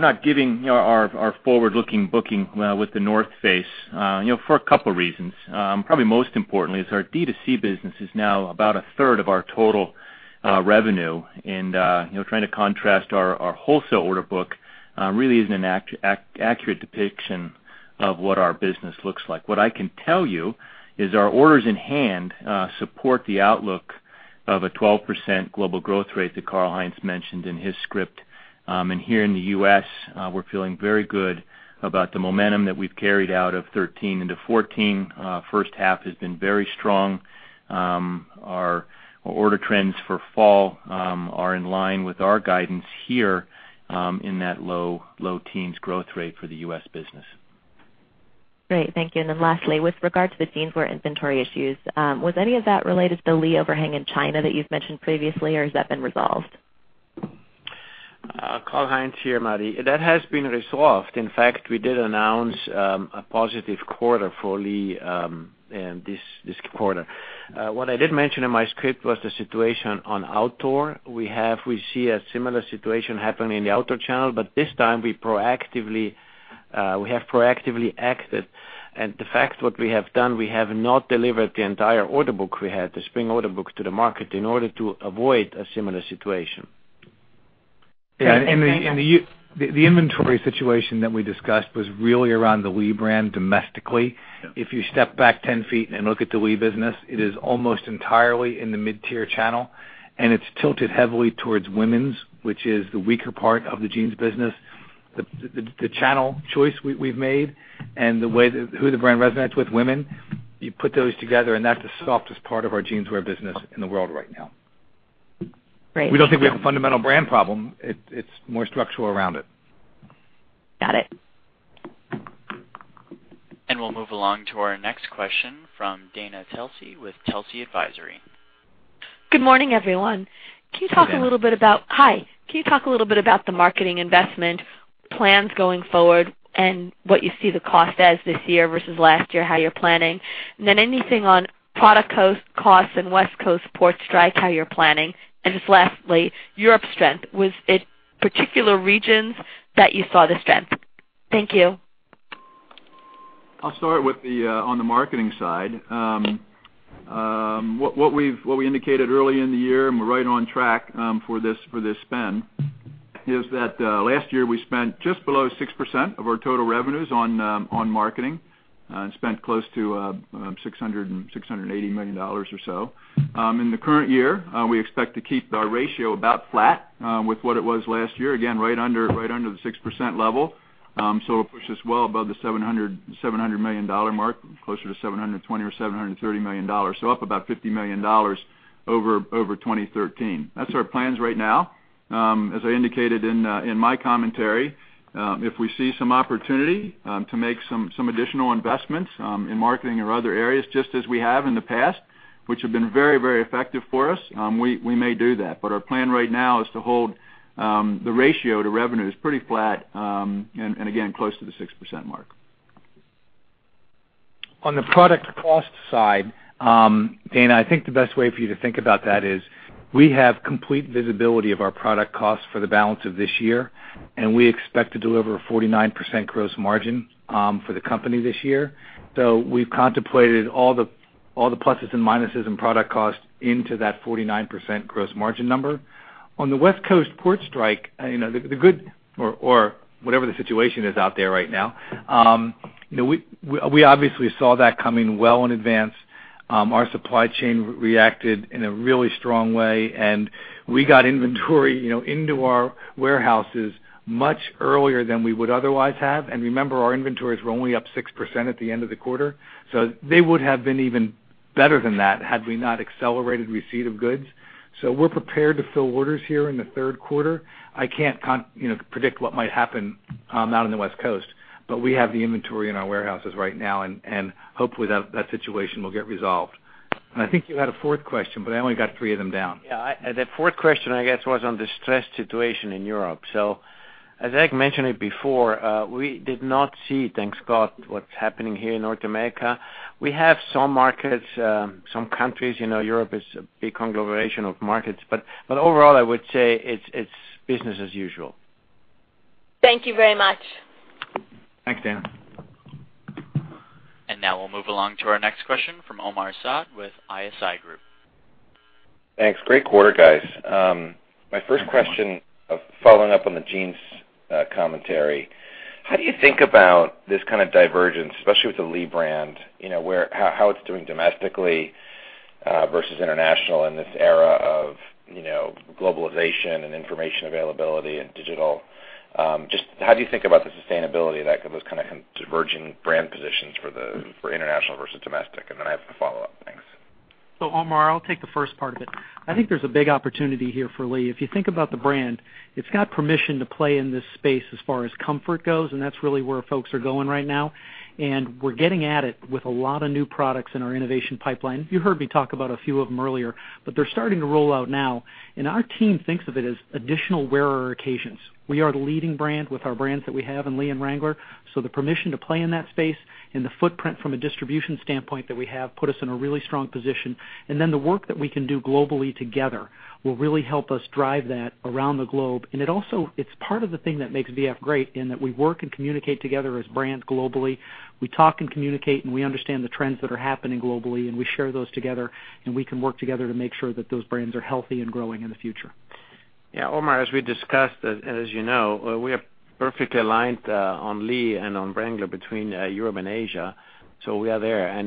not giving our forward-looking booking with The North Face for a couple of reasons. Probably most importantly is our D2C business is now about a third of our total revenue, and trying to contrast our wholesale order book really isn't an accurate depiction of what our business looks like. What I can tell you is our orders in hand support the outlook of a 12% global growth rate that Karl-Heinz mentioned in his script. Here in the U.S., we're feeling very good about the momentum that we've carried out of 2013 into 2014. First half has been very strong. Our order trends for fall are in line with our guidance here in that low teens growth rate for the U.S. business. Great. Thank you. Lastly, with regard to the Jeanswear inventory issues, was any of that related to the Lee overhang in China that you've mentioned previously or has that been resolved? Karl-Heinz here, Maddie. That has been resolved. In fact, we did announce a positive quarter for Lee in this quarter. What I did mention in my script was the situation on outdoor. We see a similar situation happening in the outdoor channel, but this time we have proactively acted. The fact what we have done, we have not delivered the entire order book we had, the spring order book, to the market in order to avoid a similar situation. Great. Thank you. The inventory situation that we discussed was really around the Lee brand domestically. If you step back 10 feet and look at the Lee business, it is almost entirely in the mid-tier channel, and it's tilted heavily towards women's, which is the weaker part of the jeans business. The channel choice we've made and who the brand resonates with, women, you put those together and that's the softest part of our Jeanswear business in the world right now. Great. We don't think we have a fundamental brand problem. It's more structural around it. Got it. We'll move along to our next question from Dana Telsey with Telsey Advisory. Good morning, everyone. Good morning. Hi. Can you talk a little bit about the marketing investment plans going forward and what you see the cost as this year versus last year, how you're planning? Anything on product costs and West Coast port strikes, how you're planning? Just lastly, Europe strength. Was it particular regions that you saw the strength? Thank you. I'll start on the marketing side. What we indicated early in the year, and we're right on track for this spend, is that last year we spent just below 6% of our total revenues on marketing, and spent close to $600 and $680 million or so. In the current year, we expect to keep our ratio about flat with what it was last year. Again, right under the 6% level. It puts us well above the $700 million mark, closer to $720 or $730 million. Up about $50 million over 2013. That's our plans right now. As I indicated in my commentary, if we see some opportunity to make some additional investments in marketing or other areas, just as we have in the past, which have been very, very effective for us, we may do that. Our plan right now is to hold the ratio to revenues pretty flat, and again, close to the 6% mark. On the product cost side, Dana, I think the best way for you to think about that is we have complete visibility of our product costs for the balance of this year, and we expect to deliver a 49% gross margin for the company this year. We've contemplated all the pluses and minuses in product cost into that 49% gross margin number. On the West Coast port strike, the good or whatever the situation is out there right now, we obviously saw that coming well in advance. Our supply chain reacted in a really strong way, and we got inventory into our warehouses much earlier than we would otherwise have. Remember, our inventories were only up 6% at the end of the quarter. They would have been even better than that had we not accelerated receipt of goods. We're prepared to fill orders here in the third quarter. I can't predict what might happen out on the West Coast. We have the inventory in our warehouses right now, and hopefully that situation will get resolved. I think you had a fourth question, but I only got three of them down. Yeah. The fourth question, I guess, was on the stress situation in Europe. As I mentioned it before, we did not see, thank God, what's happening here in North America. We have some markets, some countries. Europe is a big conglomeration of markets. Overall, I would say it's business as usual. Thank you very much. Thanks, Dana. Now we'll move along to our next question from Omar Saad with ISI Group. Thanks. Great quarter, guys. Thank you. My first question, following up on the jeans commentary. How do you think about this kind of divergence, especially with the Lee brand, how it's doing domestically versus international in this era of globalization and information availability and digital? Just how do you think about the sustainability of those kind of diverging brand positions for international versus domestic? Then I have a follow-up. Thanks. Omar, I'll take the first part of it. I think there's a big opportunity here for Lee. If you think about the brand, it's got permission to play in this space as far as comfort goes, and that's really where folks are going right now. We're getting at it with a lot of new products in our innovation pipeline. You heard me talk about a few of them earlier, but they're starting to roll out now. Our team thinks of it as additional wearer occasions. We are the leading brand with our brands that we have in Lee and Wrangler. The permission to play in that space and the footprint from a distribution standpoint that we have put us in a really strong position. The work that we can do globally together will really help us drive that around the globe. It also, it's part of the thing that makes VF great in that we work and communicate together as brands globally. We talk and communicate, we understand the trends that are happening globally, we share those together, we can work together to make sure that those brands are healthy and growing in the future. Yeah, Omar, as we discussed, as you know, we are perfectly aligned on Lee and on Wrangler between Europe and Asia, we are there.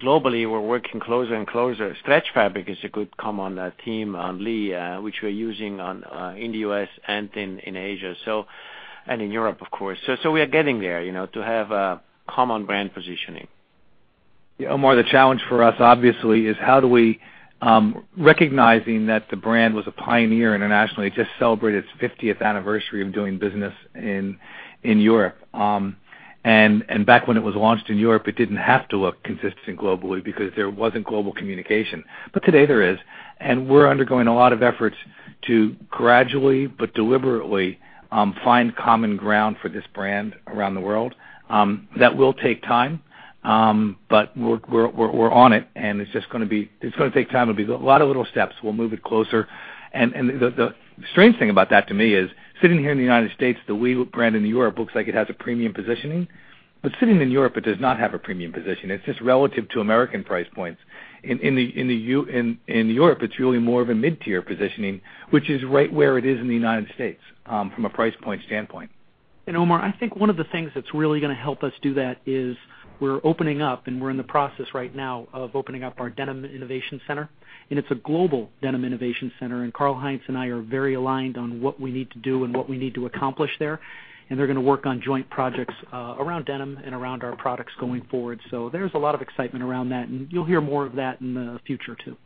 Globally, we're working closer and closer. Stretch fabric is a good common theme on Lee, which we're using in the U.S. and in Asia, in Europe, of course. We are getting there, to have a common brand positioning. Omar, the challenge for us, obviously, is recognizing that the brand was a pioneer internationally. It just celebrated its 50th anniversary of doing business in Europe. Back when it was launched in Europe, it didn't have to look consistent globally because there wasn't global communication. Today there is, we're undergoing a lot of efforts to gradually but deliberately find common ground for this brand around the world. That will take time, but we're on it's going to take time. It'll be a lot of little steps. We'll move it closer. The strange thing about that to me is, sitting here in the U.S., the Lee brand in Europe looks like it has a premium positioning. Sitting in Europe, it does not have a premium position. It's just relative to American price points. In Europe, it's really more of a mid-tier positioning, which is right where it is in the U.S. from a price point standpoint. Omar, I think one of the things that's really going to help us do that is we're opening up, and we're in the process right now of opening up our Denim Innovation Center. It's a global Denim Innovation Center, Karl-Heinz and I are very aligned on what we need to do and what we need to accomplish there. They're going to work on joint projects around denim and around our products going forward. There's a lot of excitement around that, and you'll hear more of that in the future, too.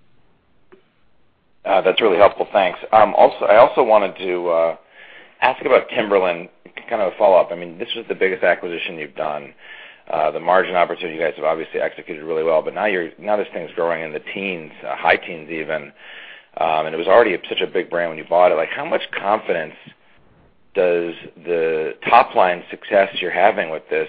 That's really helpful. Thanks. I also wanted to ask about Timberland, kind of a follow-up. This is the biggest acquisition you've done. The margin opportunity, you guys have obviously executed really well, but now this thing's growing in the teens, high teens even. It was already such a big brand when you bought it. How much confidence does the top-line success you're having with this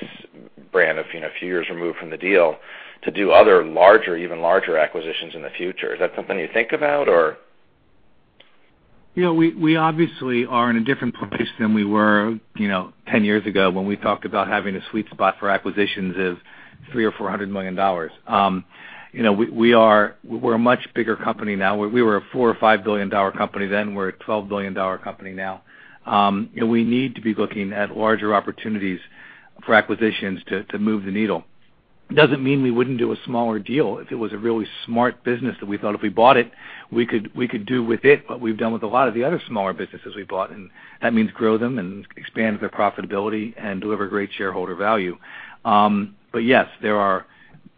brand, a few years removed from the deal, to do other larger, even larger acquisitions in the future? Is that something you think about or? We obviously are in a different place than we were 10 years ago when we talked about having a sweet spot for acquisitions is $300 million or $400 million. We're a much bigger company now. We were a $4 billion or $5 billion company then. We're a $12 billion company now. We need to be looking at larger opportunities for acquisitions to move the needle. It doesn't mean we wouldn't do a smaller deal if it was a really smart business that we thought if we bought it, we could do with it what we've done with a lot of the other smaller businesses we bought, and that means grow them and expand their profitability and deliver great shareholder value. Yes,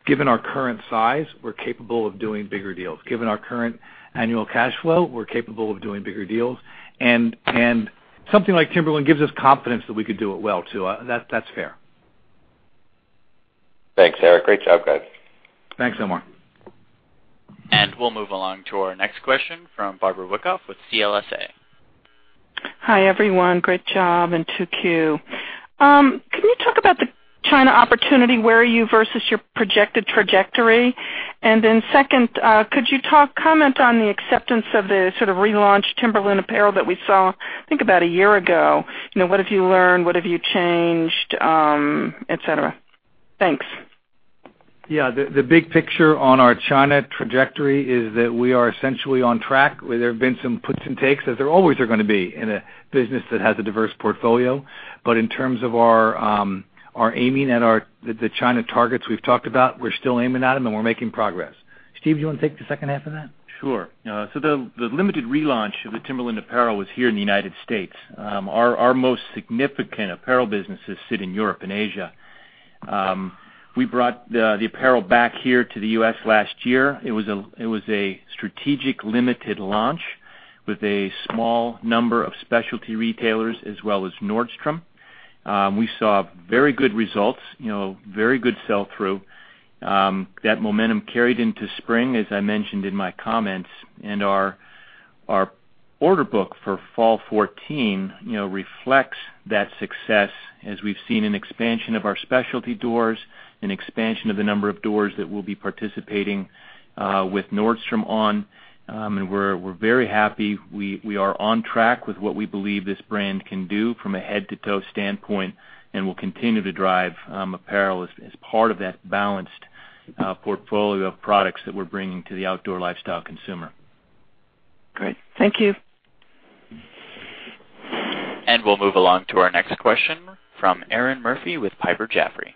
given our current size, we're capable of doing bigger deals. Given our current annual cash flow, we're capable of doing bigger deals. Something like Timberland gives us confidence that we could do it well, too. That's fair. Thanks, Eric. Great job, guys. Thanks, Omar. We'll move along to our next question from Barbara Wyckoff with CLSA. Hi, everyone. Great job and 2Q. Can you talk about the China opportunity? Where are you versus your projected trajectory? Second, could you comment on the acceptance of the sort of relaunched Timberland apparel that we saw, I think about a year ago? What have you learned? What have you changed, et cetera? Thanks. The big picture on our China trajectory is that we are essentially on track. There have been some puts and takes, as there always are going to be in a business that has a diverse portfolio. In terms of our aiming at the China targets we've talked about, we're still aiming at them, and we're making progress. Steve, do you want to take the second half of that? Sure. The limited relaunch of the Timberland apparel was here in the United States. Our most significant apparel businesses sit in Europe and Asia. We brought the apparel back here to the U.S. last year. It was a strategic limited launch with a small number of specialty retailers as well as Nordstrom. We saw very good results, very good sell-through. That momentum carried into spring, as I mentioned in my comments, and our order book for fall 2014 reflects that success as we've seen an expansion of our specialty doors, an expansion of the number of doors that we'll be participating with Nordstrom on. We're very happy. We are on track with what we believe this brand can do from a head-to-toe standpoint and will continue to drive apparel as part of that balanced portfolio of products that we're bringing to the outdoor lifestyle consumer. Great. Thank you. We'll move along to our next question from Erinn Murphy with Piper Jaffray.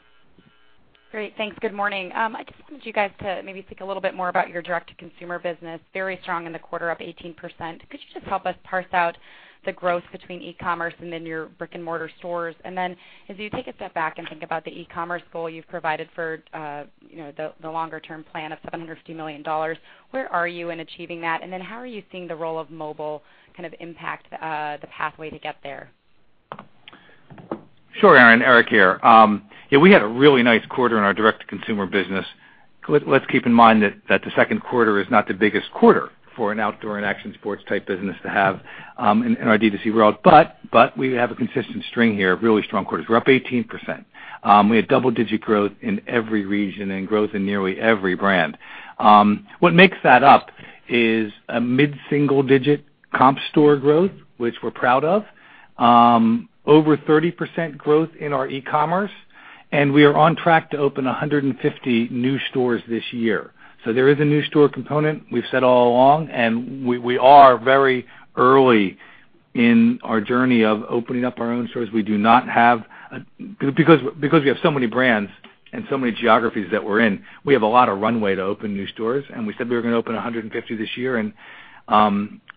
Great. Thanks. Good morning. I just wanted you guys to maybe speak a little bit more about your direct-to-consumer business, very strong in the quarter, up 18%. Could you just help us parse out the growth between e-commerce and your brick-and-mortar stores? As you take a step back and think about the e-commerce goal you've provided for the longer-term plan of $750 million, where are you in achieving that? How are you seeing the role of mobile kind of impact the pathway to get there? Sure, Erinn. Eric here. Yeah, we had a really nice quarter in our direct-to-consumer business. Let's keep in mind that the second quarter is not the biggest quarter for an Outdoor & Action Sports type business to have in our D2C world. We have a consistent string here of really strong quarters. We're up 18%. We had double-digit growth in every region and growth in nearly every brand. What makes that up is a mid-single-digit comp store growth, which we're proud of. Over 30% growth in our e-commerce, and we are on track to open 150 new stores this year. There is a new store component, we've said all along, and we are very early in our journey of opening up our own stores. Because we have so many brands and so many geographies that we're in, we have a lot of runway to open new stores, and we said we were going to open 150 this year, and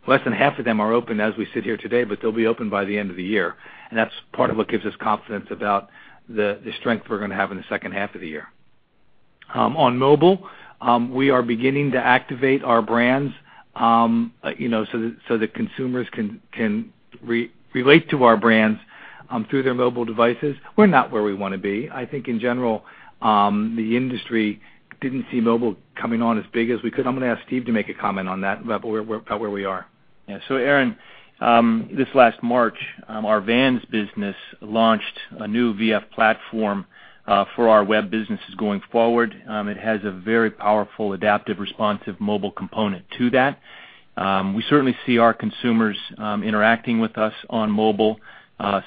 less than half of them are open as we sit here today, but they'll be open by the end of the year. That's part of what gives us confidence about the strength we're going to have in the second half of the year. On mobile, we are beginning to activate our brands so that consumers can relate to our brands through their mobile devices. We're not where we want to be. I think in general, the industry didn't see mobile coming on as big as we could. I'm going to ask Steve to make a comment on that, about where we are. Yeah. Erinn, this last March, our Vans business launched a new VF platform for our web businesses going forward. It has a very powerful, adaptive, responsive mobile component to that. We certainly see our consumers interacting with us on mobile,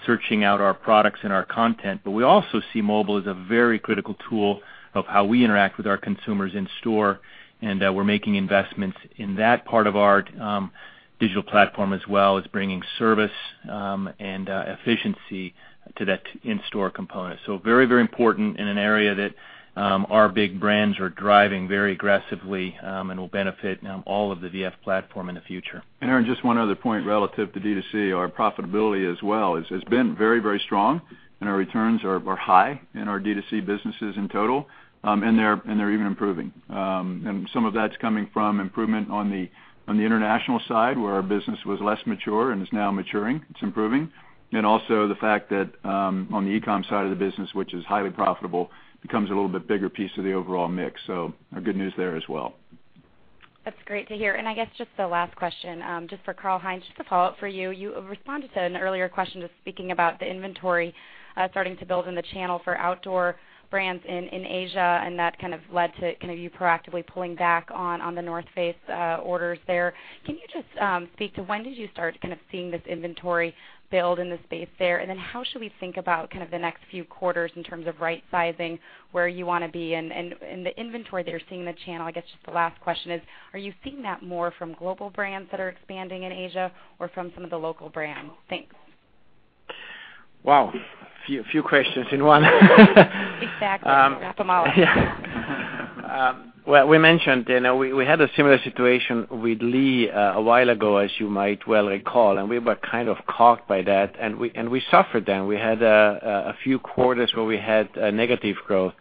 searching out our products and our content. We also see mobile as a very critical tool of how we interact with our consumers in store, and we're making investments in that part of our digital platform as well as bringing service and efficiency to that in-store component. Very important in an area that our big brands are driving very aggressively, and will benefit all of the VF platform in the future. Erinn, just one other point relative to D2C, our profitability as well has been very strong, and our returns are high in our D2C businesses in total. They're even improving. Some of that's coming from improvement on the international side, where our business was less mature and is now maturing. It's improving. Also the fact that on the e-com side of the business, which is highly profitable, becomes a little bit bigger piece of the overall mix. Good news there as well. That's great to hear. I guess just the last question, just for Karl-Heinz, just a follow-up for you. You responded to an earlier question, just speaking about the inventory starting to build in the channel for outdoor brands in Asia, and that kind of led to you proactively pulling back on The North Face orders there. Can you just speak to when did you start kind of seeing this inventory build in the space there? How should we think about the next few quarters in terms of right-sizing where you want to be and the inventory that you're seeing in the channel, I guess just the last question is, are you seeing that more from global brands that are expanding in Asia or from some of the local brands? Thanks. Wow. Few questions in one. Big fact. Wrap them all up. Yeah. Well, we mentioned we had a similar situation with Lee a while ago, as you might well recall, and we were kind of caught by that and we suffered then. We had a few quarters where we had negative growth.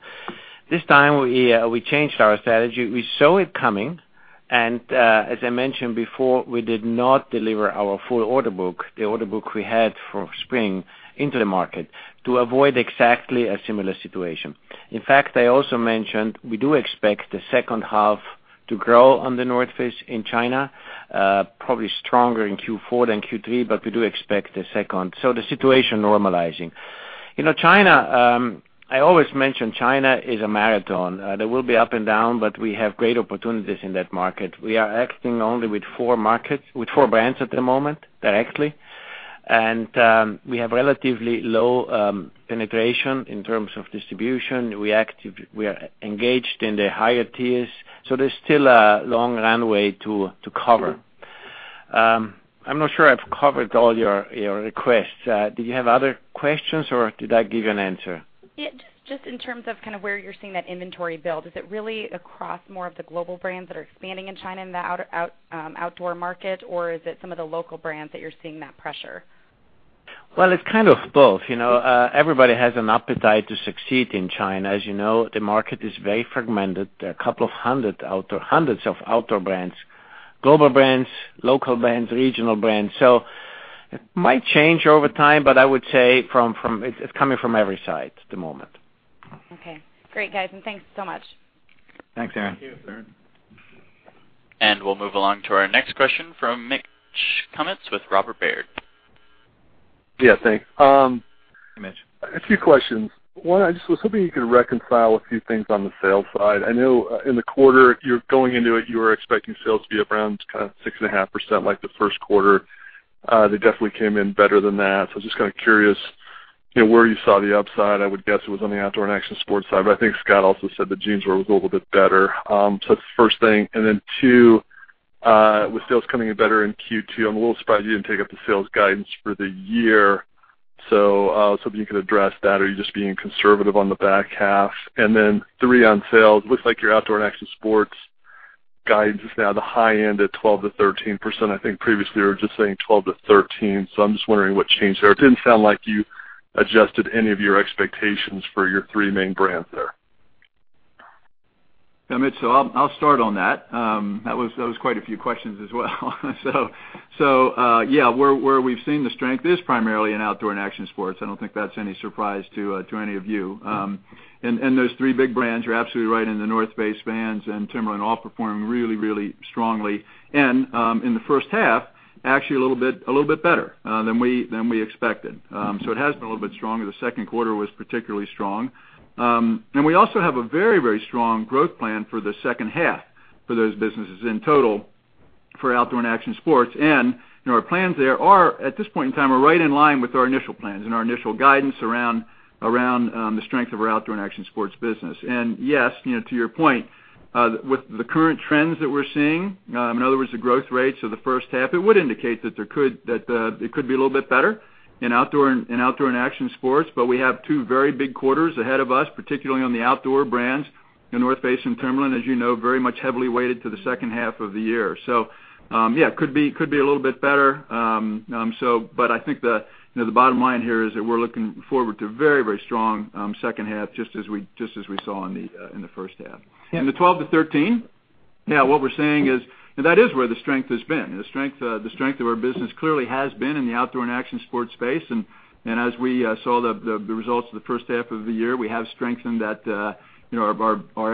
This time, we changed our strategy. We saw it coming. As I mentioned before, we did not deliver our full order book, the order book we had for spring into the market to avoid exactly a similar situation. In fact, I also mentioned we do expect the second half to grow on The North Face in China, probably stronger in Q4 than Q3, but we do expect the second half. The situation is normalizing. China, I always mention China is a marathon. There will be up and down, but we have great opportunities in that market. We are acting only with four brands at the moment directly, and we have relatively low penetration in terms of distribution. We are engaged in the higher tiers. There's still a long runway to cover. I'm not sure I've covered all your requests. Do you have other questions, or did I give you an answer? Yeah, just in terms of where you're seeing that inventory build. Is it really across more of the global brands that are expanding in China in the outdoor market, or is it some of the local brands that you're seeing that pressure? It's kind of both. Everybody has an appetite to succeed in China. As you know, the market is very fragmented. There are hundreds of outdoor brands, global brands, local brands, regional brands. It might change over time, but I would say it's coming from every side at the moment. Great, guys, and thanks so much. Thanks, Erinn. Thank you, Erinn. We'll move along to our next question from Mitch Kummetz with Robert Baird. Yeah, thanks. Hey, Mitch. A few questions. One, I just was hoping you could reconcile a few things on the sales side. I know in the quarter, going into it, you were expecting sales to be up around 6.5% like the first quarter. They definitely came in better than that. Just kind of curious where you saw the upside. I would guess it was on the Outdoor & Action Sports side, but I think Scott also said that jeans was a little bit better. That's the first thing. Two, with sales coming in better in Q2, I'm a little surprised you didn't take up the sales guidance for the year. Was hoping you could address that, or are you just being conservative on the back half? Three, on sales, looks like your Outdoor & Action Sports guidance is now the high end at 12%-13%. I think previously you were just saying 12%-13%, so I'm just wondering what changed there. It didn't sound like you adjusted any of your expectations for your three main brands there. Mitch. I'll start on that. That was quite a few questions as well. Where we've seen the strength is primarily in Outdoor & Action Sports. I don't think that's any surprise to any of you. Those three big brands, you're absolutely right, in The North Face, Vans, and Timberland all performing really strongly. In the first half, actually a little bit better than we expected. It has been a little bit stronger. The second quarter was particularly strong. We also have a very strong growth plan for the second half for those businesses in total for Outdoor & Action Sports. Our plans there are, at this point in time, are right in line with our initial plans and our initial guidance around the strength of our Outdoor & Action Sports business. Yes, to your point, with the current trends that we're seeing, in other words, the growth rates of the first half, it would indicate that it could be a little bit better in Outdoor & Action Sports. We have two very big quarters ahead of us, particularly on the outdoor brands, The North Face and Timberland, as you know, very much heavily weighted to the second half of the year. It could be a little bit better. I think the bottom line here is that we're looking forward to a very strong second half, just as we saw in the first half. The 12%-13%? What we're saying is, that is where the strength has been. The strength of our business clearly has been in the Outdoor & Action Sports space. As we saw the results of the first half of the year, we have strengthened our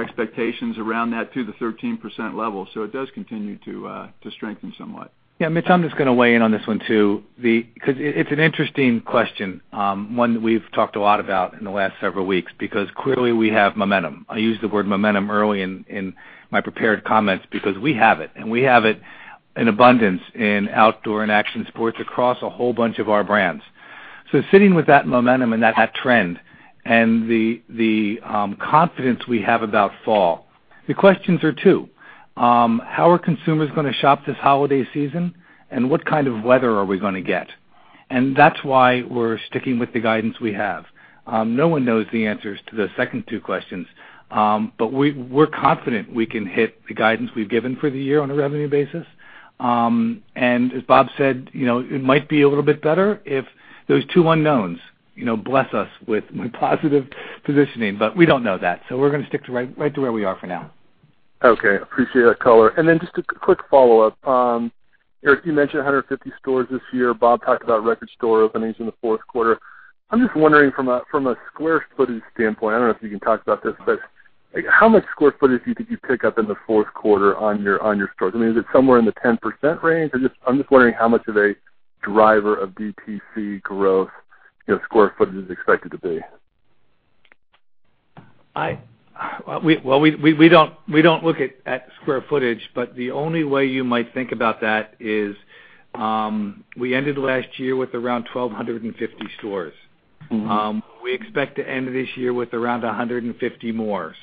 expectations around that to the 13% level. It does continue to strengthen somewhat. Mitch, I'm just going to weigh in on this one too. It's an interesting question, one that we've talked a lot about in the last several weeks, because clearly we have momentum. I used the word momentum early in my prepared comments because we have it, and we have it in abundance in Outdoor & Action Sports across a whole bunch of our brands. Sitting with that momentum and that trend and the confidence we have about fall, the questions are two. How are consumers going to shop this holiday season? What kind of weather are we going to get? That's why we're sticking with the guidance we have. No one knows the answers to the second two questions. We're confident we can hit the guidance we've given for the year on a revenue basis. As Bob said, it might be a little bit better if those two unknowns bless us with positive positioning. We don't know that, we're going to stick right to where we are for now. Okay. Appreciate that color. Then just a quick follow-up. Eric, you mentioned 150 stores this year. Bob talked about record store openings in the fourth quarter. I'm just wondering from a square footage standpoint, I don't know if you can talk about this, but how much square footage did you pick up in the fourth quarter on your stores? I mean, is it somewhere in the 10% range? I'm just wondering how much of a driver of DTC growth square footage is expected to be. Well, we don't look at square footage, the only way you might think about that is, we ended last year with around 1,250 stores. We expect to end this year with around 150 more.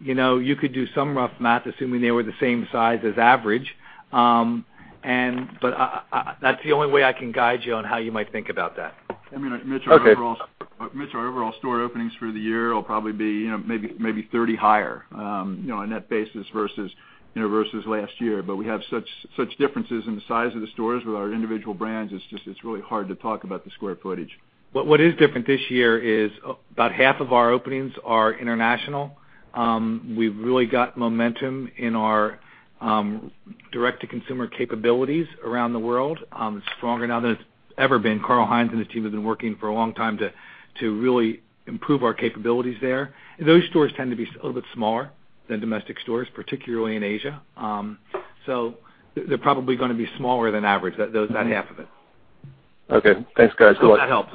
You could do some rough math, assuming they were the same size as average. That's the only way I can guide you on how you might think about that. I mean, Mitch, Okay Our overall store openings through the year will probably be maybe 30 higher on a net basis versus last year. We have such differences in the size of the stores with our individual brands, it's just really hard to talk about the square footage. What is different this year is about half of our openings are international. We've really got momentum in our direct-to-consumer capabilities around the world, stronger now than it's ever been. Karl-Heinz Salzburger and his team have been working for a long time to really improve our capabilities there. Those stores tend to be a little bit smaller than domestic stores, particularly in Asia. They're probably going to be smaller than average, that half of it. Okay, thanks, guys. Good luck. That helps.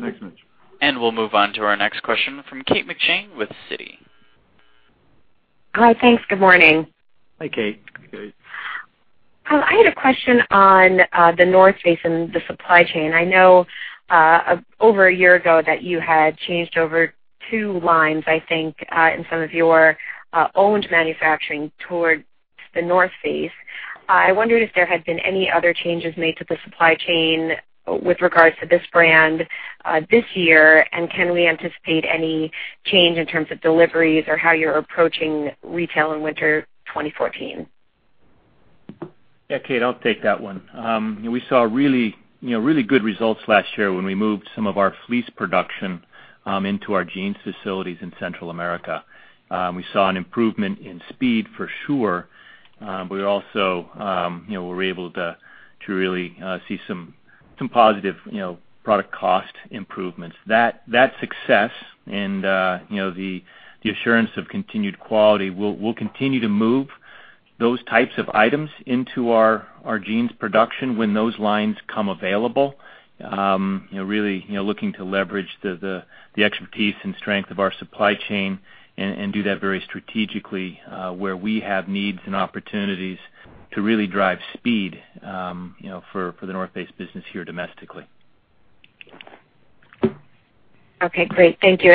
Thanks, Mitch. We'll move on to our next question from Kate McShane with Citi. Hi. Thanks. Good morning. Hi, Kate. I had a question on The North Face and the supply chain. I know over a year ago that you had changed over two lines, I think, in some of your owned manufacturing towards The North Face. I wondered if there had been any other changes made to the supply chain with regards to this brand this year, and can we anticipate any change in terms of deliveries or how you're approaching retail in winter 2014? Yeah, Kate, I'll take that one. We saw really good results last year when we moved some of our fleece production into our jeans facilities in Central America. We saw an improvement in speed for sure. We were able to really see some positive product cost improvements. That success and the assurance of continued quality, we'll continue to move those types of items into our jeans production when those lines become available. Really looking to leverage the expertise and strength of our supply chain and do that very strategically where we have needs and opportunities to really drive speed for The North Face business here domestically. Okay, great. Thank you.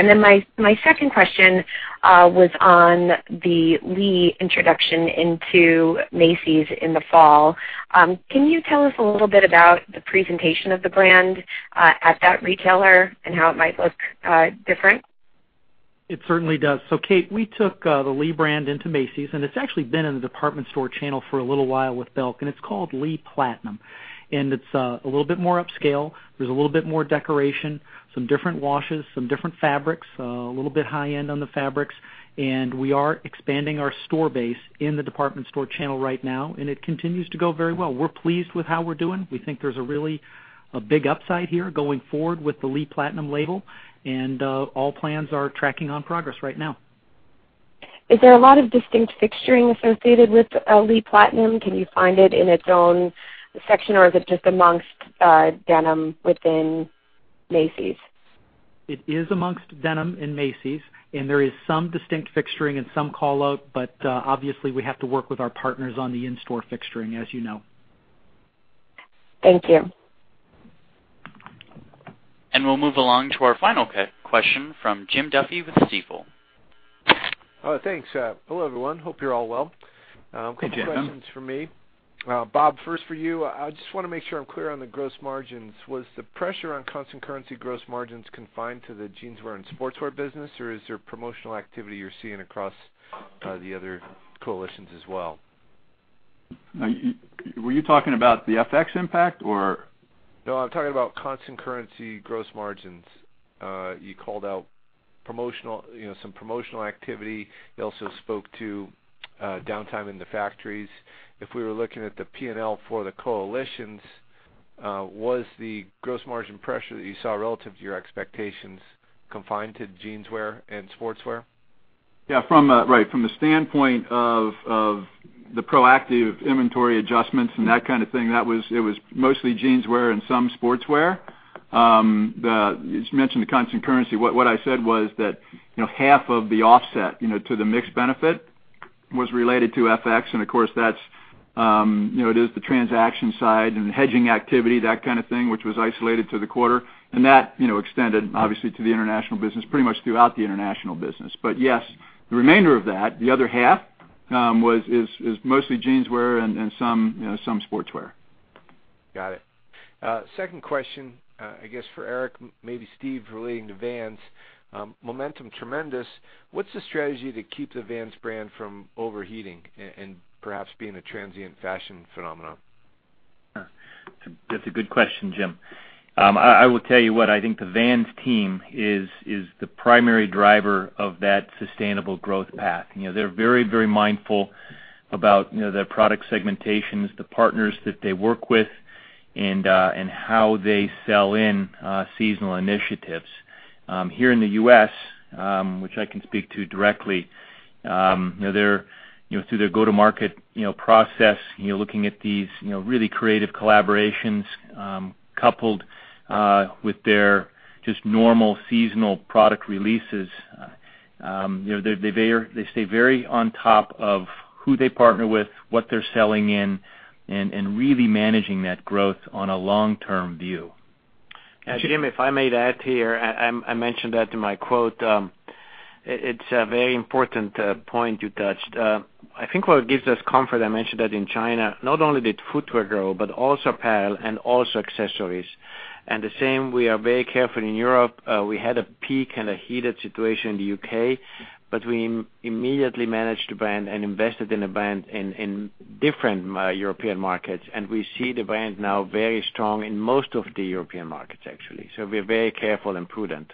My second question was on the Lee introduction into Macy's in the fall. Can you tell us a little bit about the presentation of the brand at that retailer and how it might look different? It certainly does. Kate, we took the Lee brand into Macy's, it's actually been in the department store channel for a little while with Belk, and it's called Lee Platinum. It's a little bit more upscale. There's a little bit more decoration, some different washes, some different fabrics, a little bit high-end on the fabrics. We are expanding our store base in the department store channel right now, and it continues to go very well. We're pleased with how we're doing. We think there's a really big upside here going forward with the Lee Platinum Label, and all plans are tracking on progress right now. Is there a lot of distinct fixturing associated with Lee Platinum? Can you find it in its own section, or is it just amongst denim within Macy's? It is amongst denim in Macy's, there is some distinct fixturing and some call-out, obviously, we have to work with our partners on the in-store fixturing, as you know. Thank you. We'll move along to our final question from Jim Duffy with Stifel. Thanks. Hello, everyone. Hope you're all well. Hey, Jim. A couple questions for me. Bob, first for you. I just want to make sure I'm clear on the gross margins. Was the pressure on constant currency gross margins confined to the Jeanswear and Sportswear business, or is there promotional activity you're seeing across the other coalitions as well? Were you talking about the FX impact or? No, I'm talking about constant currency gross margins. You called out some promotional activity. You also spoke to downtime in the factories. If we were looking at the P&L for the coalitions, was the gross margin pressure that you saw relative to your expectations confined to Jeanswear and Sportswear? Yeah. Right. From the standpoint of the proactive inventory adjustments and that kind of thing, it was mostly Jeanswear and some Sportswear. You mentioned the constant currency. What I said was that, half of the offset to the mix benefit was related to FX. Of course, it is the transaction side and the hedging activity, that kind of thing, which was isolated to the quarter. That extended, obviously, to the international business, pretty much throughout the international business. Yes, the remainder of that, the other half, is mostly Jeanswear and some Sportswear. Got it. Second question, I guess for Eric, maybe Steve, relating to Vans. Momentum tremendous. What's the strategy to keep the Vans brand from overheating and perhaps being a transient fashion phenomenon? That's a good question, Jim. I will tell you what, I think the Vans team is the primary driver of that sustainable growth path. They're very mindful about their product segmentations, the partners that they work with, and how they sell in seasonal initiatives. Here in the U.S., which I can speak to directly, through their go-to-market process, looking at these really creative collaborations, coupled with their just normal seasonal product releases. They stay very on top of who they partner with, what they're selling in, and really managing that growth on a long-term view. Jim, if I may add here, I mentioned that in my quote. It's a very important point you touched. I think what gives us comfort, I mentioned that in China, not only did footwear grow, but also apparel and also accessories. The same, we are very careful in Europe. We had a peak and a heated situation in the U.K., we immediately managed the brand and invested in the brand in different European markets. We see the brand now very strong in most of the European markets, actually. We're very careful and prudent.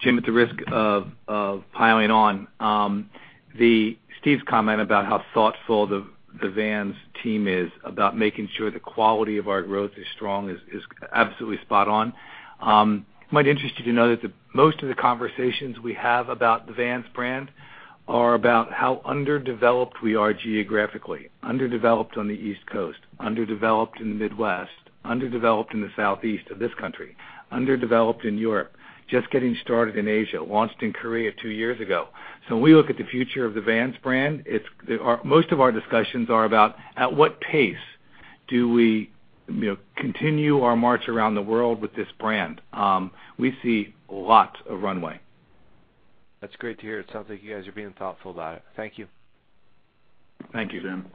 Jim, at the risk of piling on. Steve's comment about how thoughtful the Vans team is about making sure the quality of our growth is strong is absolutely spot on. You might be interested to know that most of the conversations we have about the Vans brand are about how underdeveloped we are geographically. Underdeveloped on the East Coast, underdeveloped in the Midwest, underdeveloped in the Southeast of this country, underdeveloped in Europe, just getting started in Asia, launched in Korea two years ago. When we look at the future of the Vans brand, most of our discussions are about at what pace do we continue our march around the world with this brand. We see lots of runway. That's great to hear. It sounds like you guys are being thoughtful about it. Thank you. Thank you, Jim.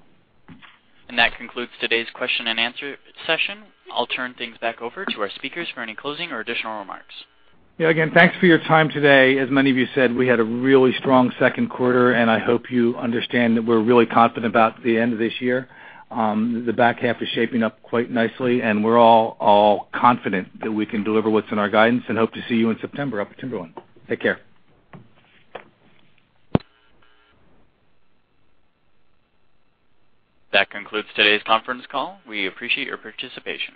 That concludes today's question and answer session. I'll turn things back over to our speakers for any closing or additional remarks. Thanks for your time today. As many of you said, we had a really strong second quarter. I hope you understand that we're really confident about the end of this year. The back half is shaping up quite nicely, we're all confident that we can deliver what's in our guidance. Hope to see you in September up at Timberland. Take care. That concludes today's conference call. We appreciate your participation.